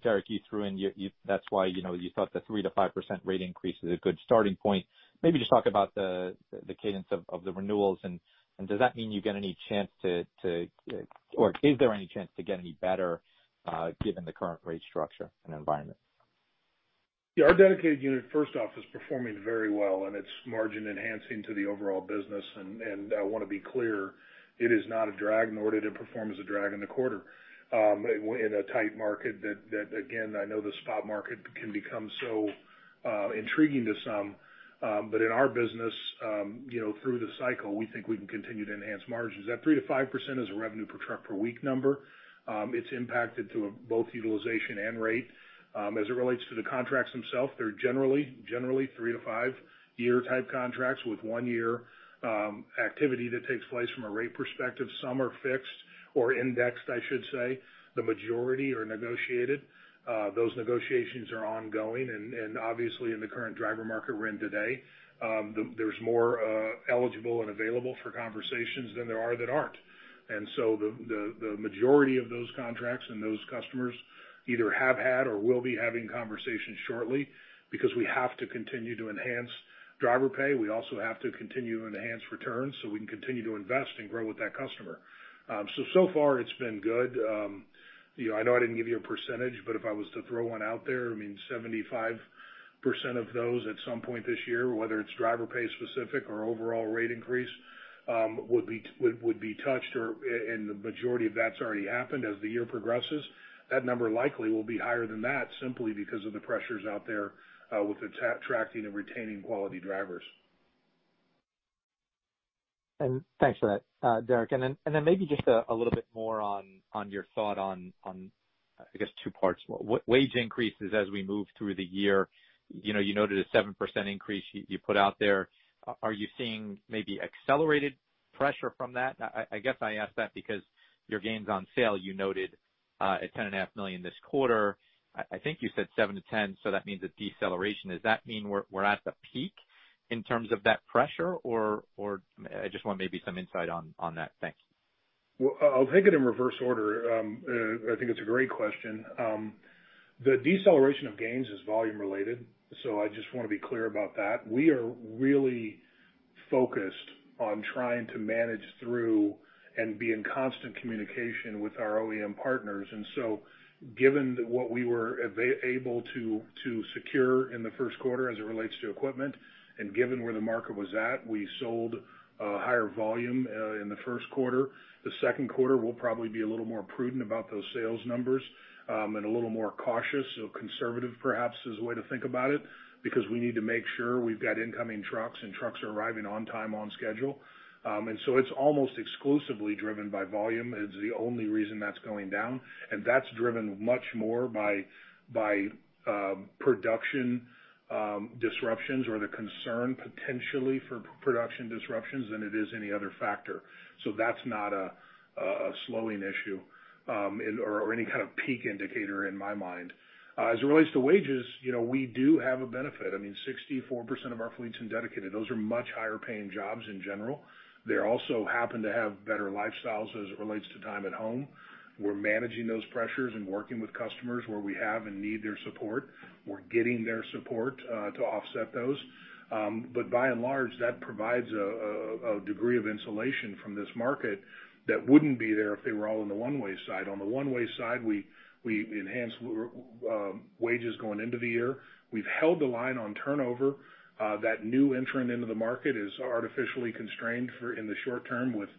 Derek, you threw in that's why you thought the 3%-5% rate increase is a good starting point. Maybe just talk about the cadence of the renewals, and does that mean you get any chance to or is there any chance to get any better given the current rate structure and environment? Yeah, our dedicated unit, first off, is performing very well, and it's margin-enhancing to the overall business. I want to be clear, it is not a drag, nor did it perform as a drag in the quarter. In a tight market, again, I know the spot market can become so intriguing to some. In our business, through the cycle, we think we can continue to enhance margins. That 3%-5% is a revenue per truck per week number. It's impacted through both utilization and rate. As it relates to the contracts themselves, they're generally three- to five-year type contracts with one year activity that takes place from a rate perspective. Some are fixed or indexed, I should say. The majority are negotiated. Those negotiations are ongoing. Obviously in the current driver market we're in today, there's more eligible and available for conversations than there are that aren't. The majority of those contracts and those customers either have had or will be having conversations shortly because we have to continue to enhance driver pay. We also have to continue to enhance returns so we can continue to invest and grow with that customer. So far it's been good. I know I didn't give you a percentage, but if I was to throw one out there, 75% of those at some point this year, whether it's driver pay specific or overall rate increase, would be touched, and the majority of that's already happened as the year progresses. That number likely will be higher than that simply because of the pressures out there with attracting and retaining quality drivers. Thanks for that, Derek. Then maybe just a little bit more on your thought on, I guess, two parts. Wage increases as we move through the year. You noted a 7% increase you put out there. Are you seeing maybe accelerated pressure from that? I guess I ask that because your gains on sale, you noted at $10.5 million this quarter. I think you said seven to 10, so that means a deceleration. Does that mean we're at the peak in terms of that pressure, or I just want maybe some insight on that? Thanks. Well, I'll take it in reverse order. I think it's a great question. The deceleration of gains is volume related. I just want to be clear about that. We are really focused on trying to manage through and be in constant communication with our OEM partners. Given what we were able to secure in the first quarter as it relates to equipment, and given where the market was at, we sold a higher volume in the first quarter. The second quarter will probably be a little more prudent about those sales numbers, and a little more cautious or conservative, perhaps, is a way to think about it, because we need to make sure we've got incoming trucks, and trucks are arriving on time, on schedule. It's almost exclusively driven by volume, is the only reason that's going down. That's driven much more by production disruptions or the concern potentially for production disruptions than it is any other factor. That's not a slowing issue, or any kind of peak indicator in my mind. As it relates to wages, we do have a benefit. 64% of our fleet's in dedicated. Those are much higher paying jobs in general. They also happen to have better lifestyles as it relates to time at home. We're managing those pressures and working with customers where we have and need their support. We're getting their support to offset those. By and large, that provides a degree of insulation from this market that wouldn't be there if they were all on the one-way side. On the one-way side, we enhanced wages going into the year. We've held the line on turnover. That new entrant into the market is artificially constrained in the short term with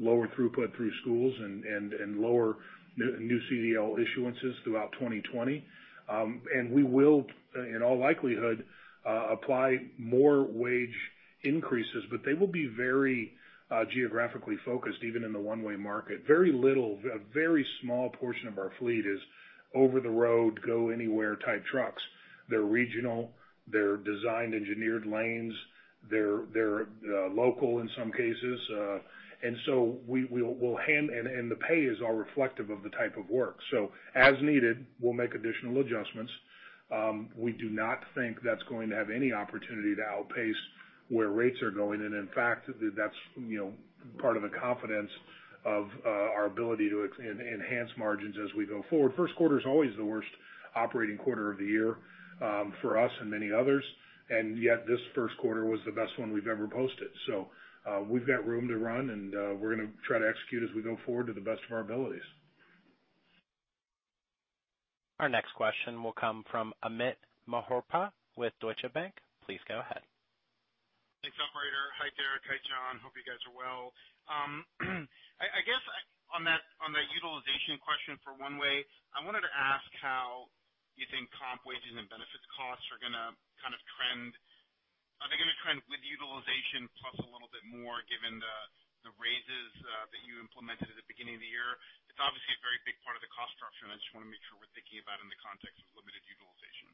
lower throughput through schools and lower new CDL issuances throughout 2020. We will, in all likelihood, apply more wage increases, but they will be very geographically focused, even in the one-way market. A very small portion of our fleet is over the road, go anywhere type trucks. They're regional, they're designed engineered lanes. They're local in some cases. The pay is all reflective of the type of work. As needed, we'll make additional adjustments. We do not think that's going to have any opportunity to outpace where rates are going. In fact, that's part of the confidence of our ability to enhance margins as we go forward. First quarter is always the worst operating quarter of the year for us and many others, yet this first quarter was the best one we've ever posted. We've got room to run, and we're going to try to execute as we go forward to the best of our abilities. Our next question will come from Amit Mehrotra with Deutsche Bank. Please go ahead. Thanks, operator. Hi, Derek. Hi, John. Hope you guys are well. I guess on that utilization question for One Way, I wanted to ask how you think comp wages and benefits costs are going to trend. Are they going to trend with utilization plus a little bit more given the raises that you implemented at the beginning of the year? It's obviously a very big part of the cost structure, and I just want to make sure we're thinking about it in the context of limited utilization.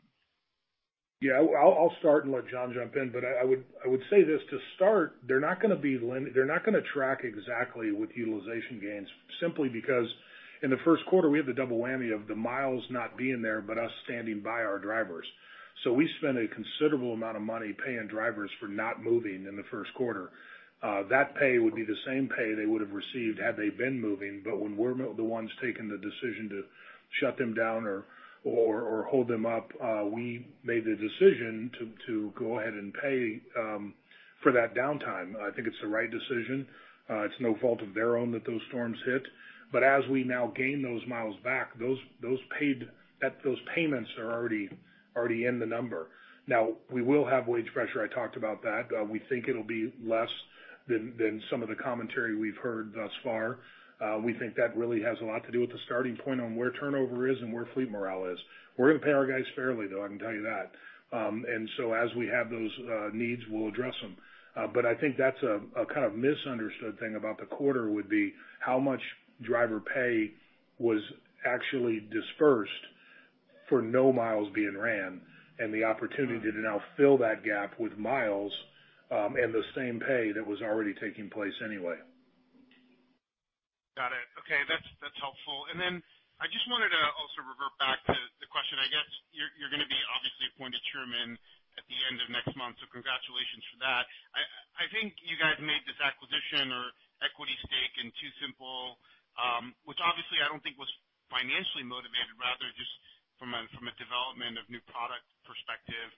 I'll start and let John jump in. I would say this to start, they're not going to track exactly with utilization gains, simply because in the first quarter we had the double whammy of the miles not being there, but us standing by our drivers. We spent a considerable amount of money paying drivers for not moving in the first quarter. That pay would be the same pay they would have received had they been moving, but when we're the ones taking the decision to shut them down or hold them up, we made the decision to go ahead and pay for that downtime. I think it's the right decision. It's no fault of their own that those storms hit. As we now gain those miles back, those payments are already in the number. Now we will have wage pressure. I talked about that. We think it'll be less than some of the commentary we've heard thus far. We think that really has a lot to do with the starting point on where turnover is and where fleet morale is. We're going to pay our guys fairly, though, I can tell you that. As we have those needs, we'll address them. I think that's a kind of misunderstood thing about the quarter would be how much driver pay was actually dispersed for no miles being ran, and the opportunity to now fill that gap with miles, and the same pay that was already taking place anyway. Got it. Okay. That's helpful. Then I just wanted to also revert back to the question. I guess you're going to be obviously appointed chairman at the end of next month, so congratulations for that. I think you guys made this acquisition or equity stake in TuSimple, which obviously I don't think was financially motivated, rather just from a development of new product perspective.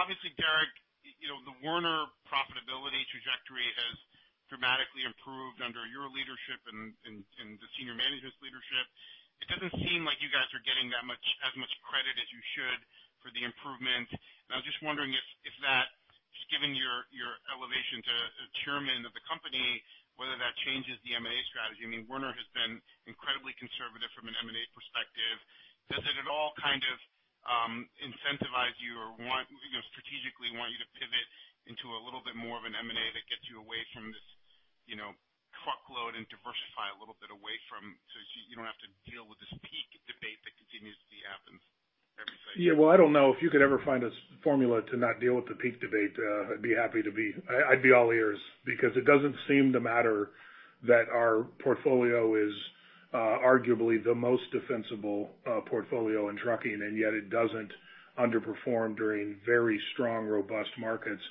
Obviously, Derek, the Werner profitability trajectory has dramatically improved under your leadership and the senior management's leadership. It doesn't seem like you guys are getting as much credit as you should for the improvement. I was just wondering if that, just given your elevation to chairman of the company, whether that changes the M&A strategy. Werner has been incredibly conservative from an M&A perspective. Does it at all kind of incentivize you or strategically want you to pivot into a little bit more of an M&A that gets you away from this truckload and diversify a little bit away from, so you don't have to deal with this peak debate that continues to happen every cycle? Yeah. Well, I don't know if you could ever find a formula to not deal with the peak debate. I'd be all ears, because it doesn't seem to matter that our portfolio is arguably the most defensible portfolio in trucking, and yet it doesn't underperform during very strong, robust markets.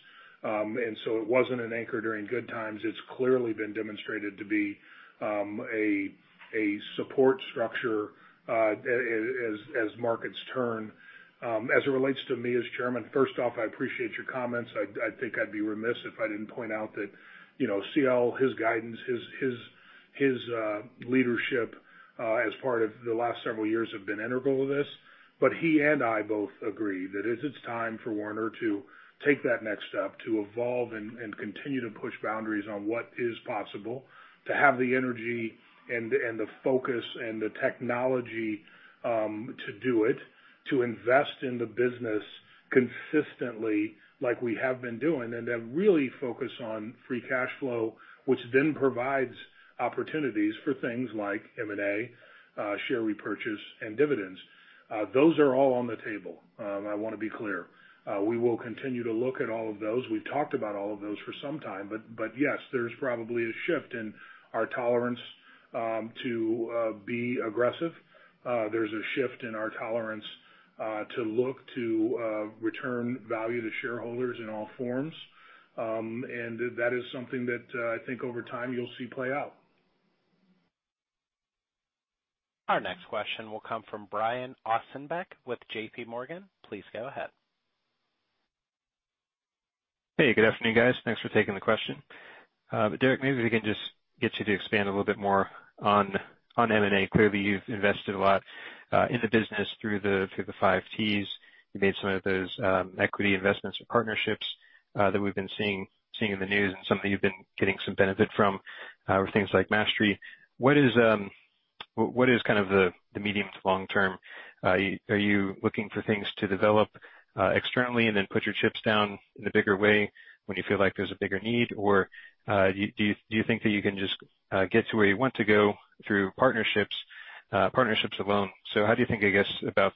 It wasn't an anchor during good times. It's clearly been demonstrated to be a support structure as markets turn. As it relates to me as Chairman, first off, I appreciate your comments. I think I'd be remiss if I didn't point out that C.L., his guidance, his leadership as part of the last several years have been integral to this. He and I both agree that it is time for Werner to take that next step, to evolve and continue to push boundaries on what is possible, to have the energy and the focus and the technology to do it, to invest in the business consistently like we have been doing, then really focus on free cash flow, which then provides opportunities for things like M&A, share repurchase, and dividends. Those are all on the table. I want to be clear. We will continue to look at all of those. We've talked about all of those for some time. Yes, there's probably a shift in our tolerance to be aggressive. There's a shift in our tolerance to look to return value to shareholders in all forms. That is something that I think over time you'll see play out. Our next question will come from Brian Ossenbeck with J.P. Morgan. Please go ahead. Hey, good afternoon, guys. Thanks for taking the question. Derek, maybe we can just get you to expand a little bit more on M&A. Clearly, you've invested a lot in the business through the Five T's. You made some of those equity investments or partnerships that we've been seeing in the news and some that you've been getting some benefit from, or things like Mastery. What is the medium to long term? Are you looking for things to develop externally and then put your chips down in a bigger way when you feel like there's a bigger need? Do you think that you can just get to where you want to go through partnerships? Partnerships alone. How do you think, I guess, about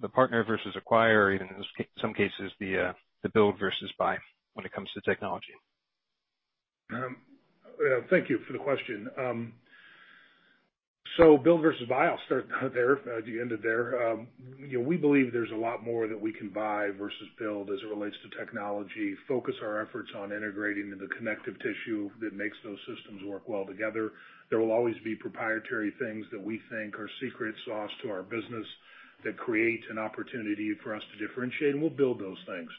the partner versus acquire, even in some cases, the build versus buy when it comes to technology? Thank you for the question. Build versus buy, I'll start there. You ended there. We believe there's a lot more that we can buy versus build as it relates to technology, focus our efforts on integrating the connective tissue that makes those systems work well together. There will always be proprietary things that we think are secret sauce to our business that create an opportunity for us to differentiate, and we'll build those things.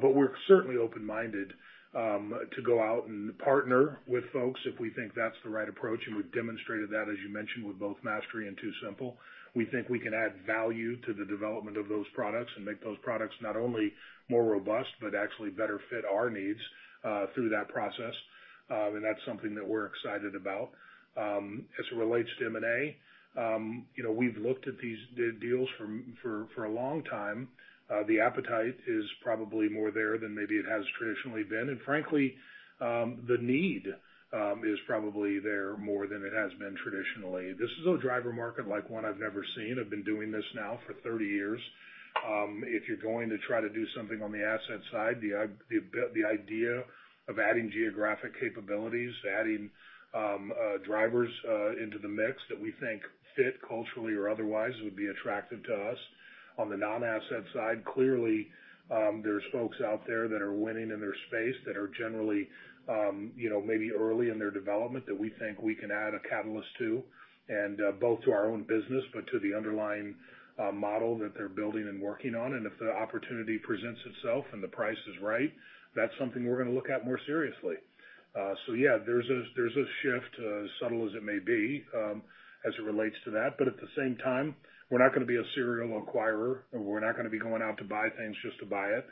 We're certainly open-minded to go out and partner with folks if we think that's the right approach. We've demonstrated that, as you mentioned, with both Mastery and TuSimple. We think we can add value to the development of those products and make those products not only more robust, but actually better fit our needs through that process. That's something that we're excited about. As it relates to M&A, we've looked at these deals for a long time. The appetite is probably more there than maybe it has traditionally been, and frankly, the need is probably there more than it has been traditionally. This is a driver market like one I've never seen. I've been doing this now for 30 years. If you're going to try to do something on the asset side, the idea of adding geographic capabilities, adding drivers into the mix that we think fit culturally or otherwise would be attractive to us. On the non-asset side, clearly, there's folks out there that are winning in their space that are generally maybe early in their development, that we think we can add a catalyst to, and both to our own business, but to the underlying model that they're building and working on. If the opportunity presents itself and the price is right, that's something we're going to look at more seriously. Yeah, there's a shift, as subtle as it may be, as it relates to that. At the same time, we're not going to be a serial acquirer. We're not going to be going out to buy things just to buy it.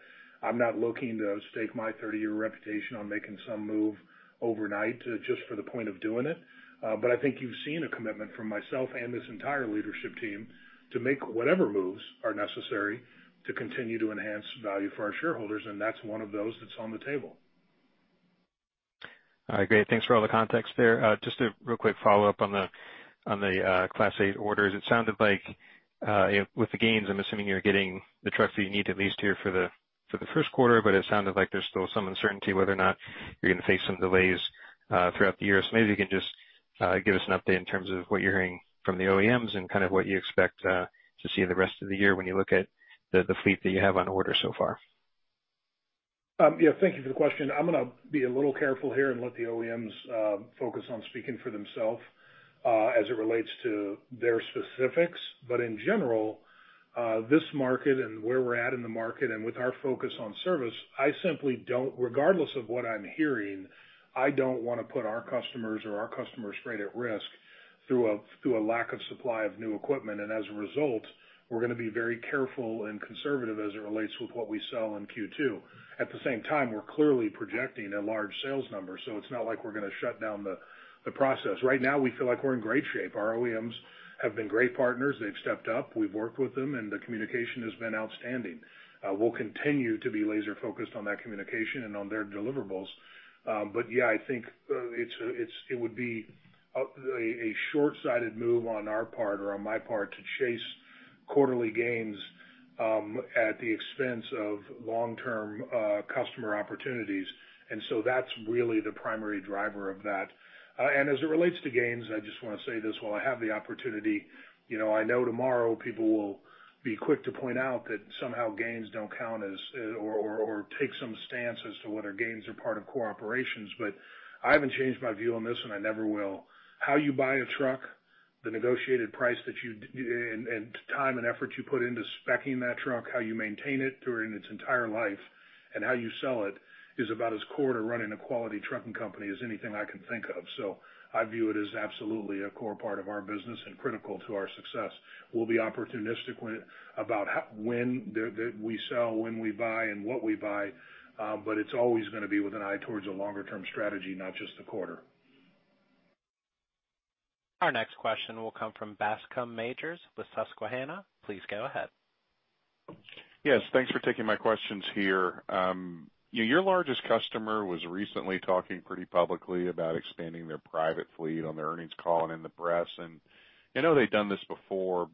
I'm not looking to stake my 30-year reputation on making some move overnight just for the point of doing it. I think you've seen a commitment from myself and this entire leadership team to make whatever moves are necessary to continue to enhance value for our shareholders, and that's one of those that's on the table. All right, great. Thanks for all the context there. Just a real quick follow-up on the Class 8 orders. It sounded like with the gains, I'm assuming you're getting the trucks that you need at least here for the first quarter, but it sounded like there's still some uncertainty whether or not you're going to face some delays throughout the year. Maybe you can just give us an update in terms of what you're hearing from the OEMs and what you expect to see the rest of the year when you look at the fleet that you have on order so far. Yeah. Thank you for the question. I'm going to be a little careful here and let the OEMs focus on speaking for themselves as it relates to their specifics. In general, this market and where we're at in the market, and with our focus on service, regardless of what I'm hearing, I don't want to put our customers or our customers' freight at risk through a lack of supply of new equipment. As a result, we're going to be very careful and conservative as it relates with what we sell in Q2. At the same time, we're clearly projecting a large sales number, it's not like we're going to shut down the process. Right now, we feel like we're in great shape. Our OEMs have been great partners. They've stepped up. We've worked with them; the communication has been outstanding. We'll continue to be laser-focused on that communication and on their deliverables. Yeah, I think it would be a shortsighted move on our part or on my part to chase quarterly gains at the expense of long-term customer opportunities. That's really the primary driver of that. As it relates to gains, I just want to say this while I have the opportunity. I know tomorrow people will be quick to point out that somehow gains don't count or take some stance as to whether gains are part of core operations, but I haven't changed my view on this, and I never will. How you buy a truck, the negotiated price, and time and effort you put into speccing that truck, how you maintain it during its entire life, and how you sell it is about as core to running a quality trucking company as anything I can think of. I view it as absolutely a core part of our business and critical to our success. We'll be opportunistic about when we sell, when we buy, and what we buy. It's always going to be with an eye towards a longer-term strategy, not just a quarter. Our next question will come from Bascome Majors with Susquehanna. Please go ahead. Yes, thanks for taking my questions here. Your largest customer was recently talking pretty publicly about expanding their private fleet on their earnings call and in the press. I know they've done this before,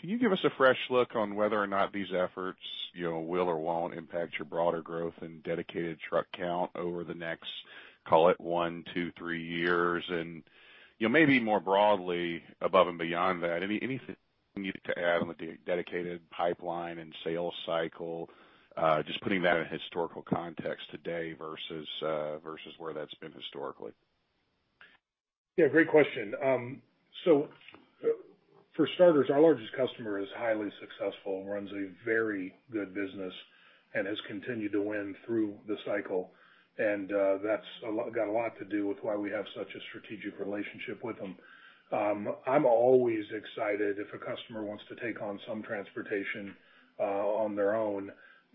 can you give us a fresh look on whether or not these efforts will or won't impact your broader growth and dedicated truck count over the next, call it one, two, three years? Maybe more broadly, above and beyond that, anything you could add on the dedicated pipeline and sales cycle, just putting that in a historical context today versus where that's been historically? Yeah, great question. For starters, our largest customer is highly successful and runs a very good business and has continued to win through the cycle. That's got a lot to do with why we have such a strategic relationship with them. I'm always excited if a customer wants to take on some transportation on their own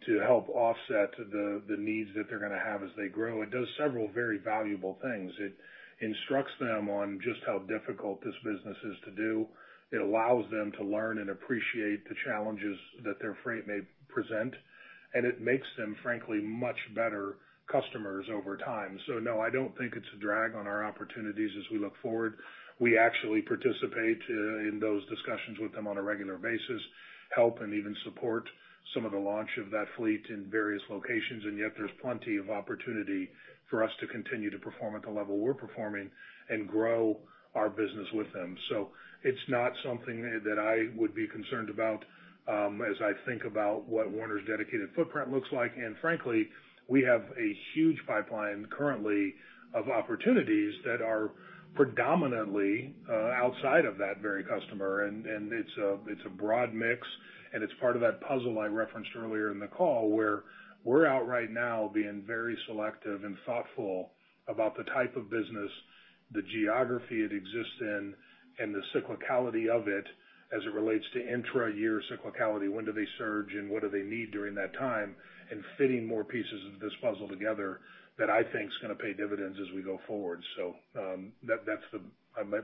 to help offset the needs that they're going to have as they grow. It does several very valuable things. It instructs them on just how difficult this business is to do. It allows them to learn and appreciate the challenges that their freight may present, and it makes them, frankly, much better customers over time. No, I don't think it's a drag on our opportunities as we look forward. We actually participate in those discussions with them on a regular basis, help and even support some of the launch of that fleet in various locations, and yet there's plenty of opportunity for us to continue to perform at the level we're performing and grow our business with them. It's not something that I would be concerned about as I think about what Werner's dedicated footprint looks like. Frankly, we have a huge pipeline currently of opportunities that are predominantly outside of that very customer, and it's a broad mix, and it's part of that puzzle I referenced earlier in the call, where we're out right now being very selective and thoughtful about the type of business, the geography it exists in, and the cyclicality of it as it relates to intra-year cyclicality, when do they surge and what do they need during that time, and fitting more pieces of this puzzle together that I think is going to pay dividends as we go forward. That's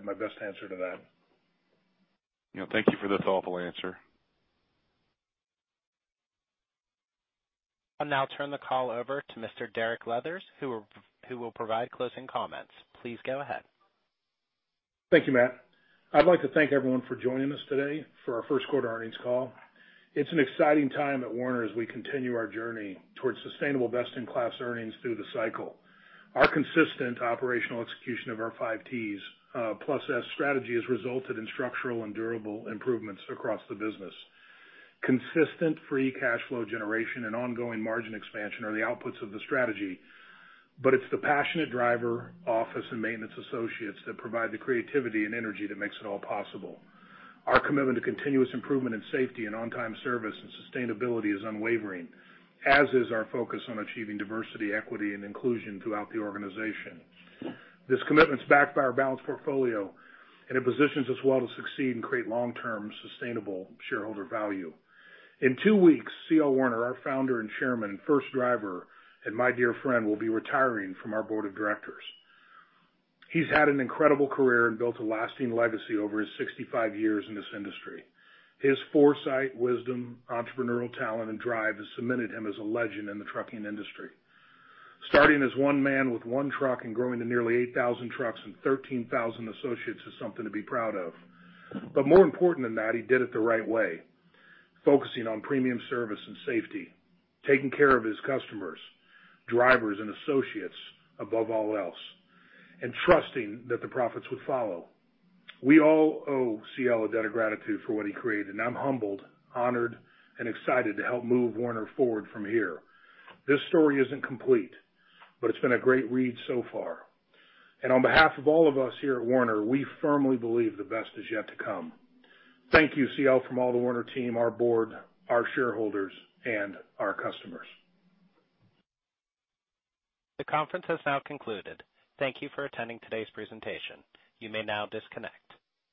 my best answer to that. Thank you for the thoughtful answer. I'll now turn the call over to Mr. Derek Leathers, who will provide closing comments. Please go ahead. Thank you, Matt. I'd like to thank everyone for joining us today for our first quarter earnings call. It's an exciting time at Werner as we continue our journey towards sustainable best-in-class earnings through the cycle. Our consistent operational execution of our Five Ts plus S strategy has resulted in structural and durable improvements across the business. Consistent free cash flow generation and ongoing margin expansion are the outputs of the strategy, but it's the passionate driver, office, and maintenance associates that provide the creativity and energy that makes it all possible. Our commitment to continuous improvement in safety and on-time service and sustainability is unwavering, as is our focus on achieving diversity, equity, and inclusion throughout the organization. This commitment is backed by our balanced portfolio; it positions us well to succeed and create long-term sustainable shareholder value. In two weeks, C.L. Werner, our founder and Chairman, first driver, and my dear friend, will be retiring from our board of directors. He's had an incredible career and built a lasting legacy over his 65 years in this industry. His foresight, wisdom, entrepreneurial talent, and drive has cemented him as a legend in the trucking industry. Starting as one man with one truck and growing to nearly 8,000 trucks and 13,000 associates is something to be proud of. More important than that, he did it the right way, focusing on premium service and safety, taking care of his customers, drivers, and associates above all else, and trusting that the profits would follow. We all owe C.L. a debt of gratitude for what he created, and I'm humbled, honored, and excited to help move Werner forward from here. This story isn't complete, but it's been a great read so far. On behalf of all of us here at Werner, we firmly believe the best is yet to come. Thank you, C.L., from all the Werner team, our board, our shareholders, and our customers. The conference has now concluded. Thank You for attending today's presentation. You may now disconnect.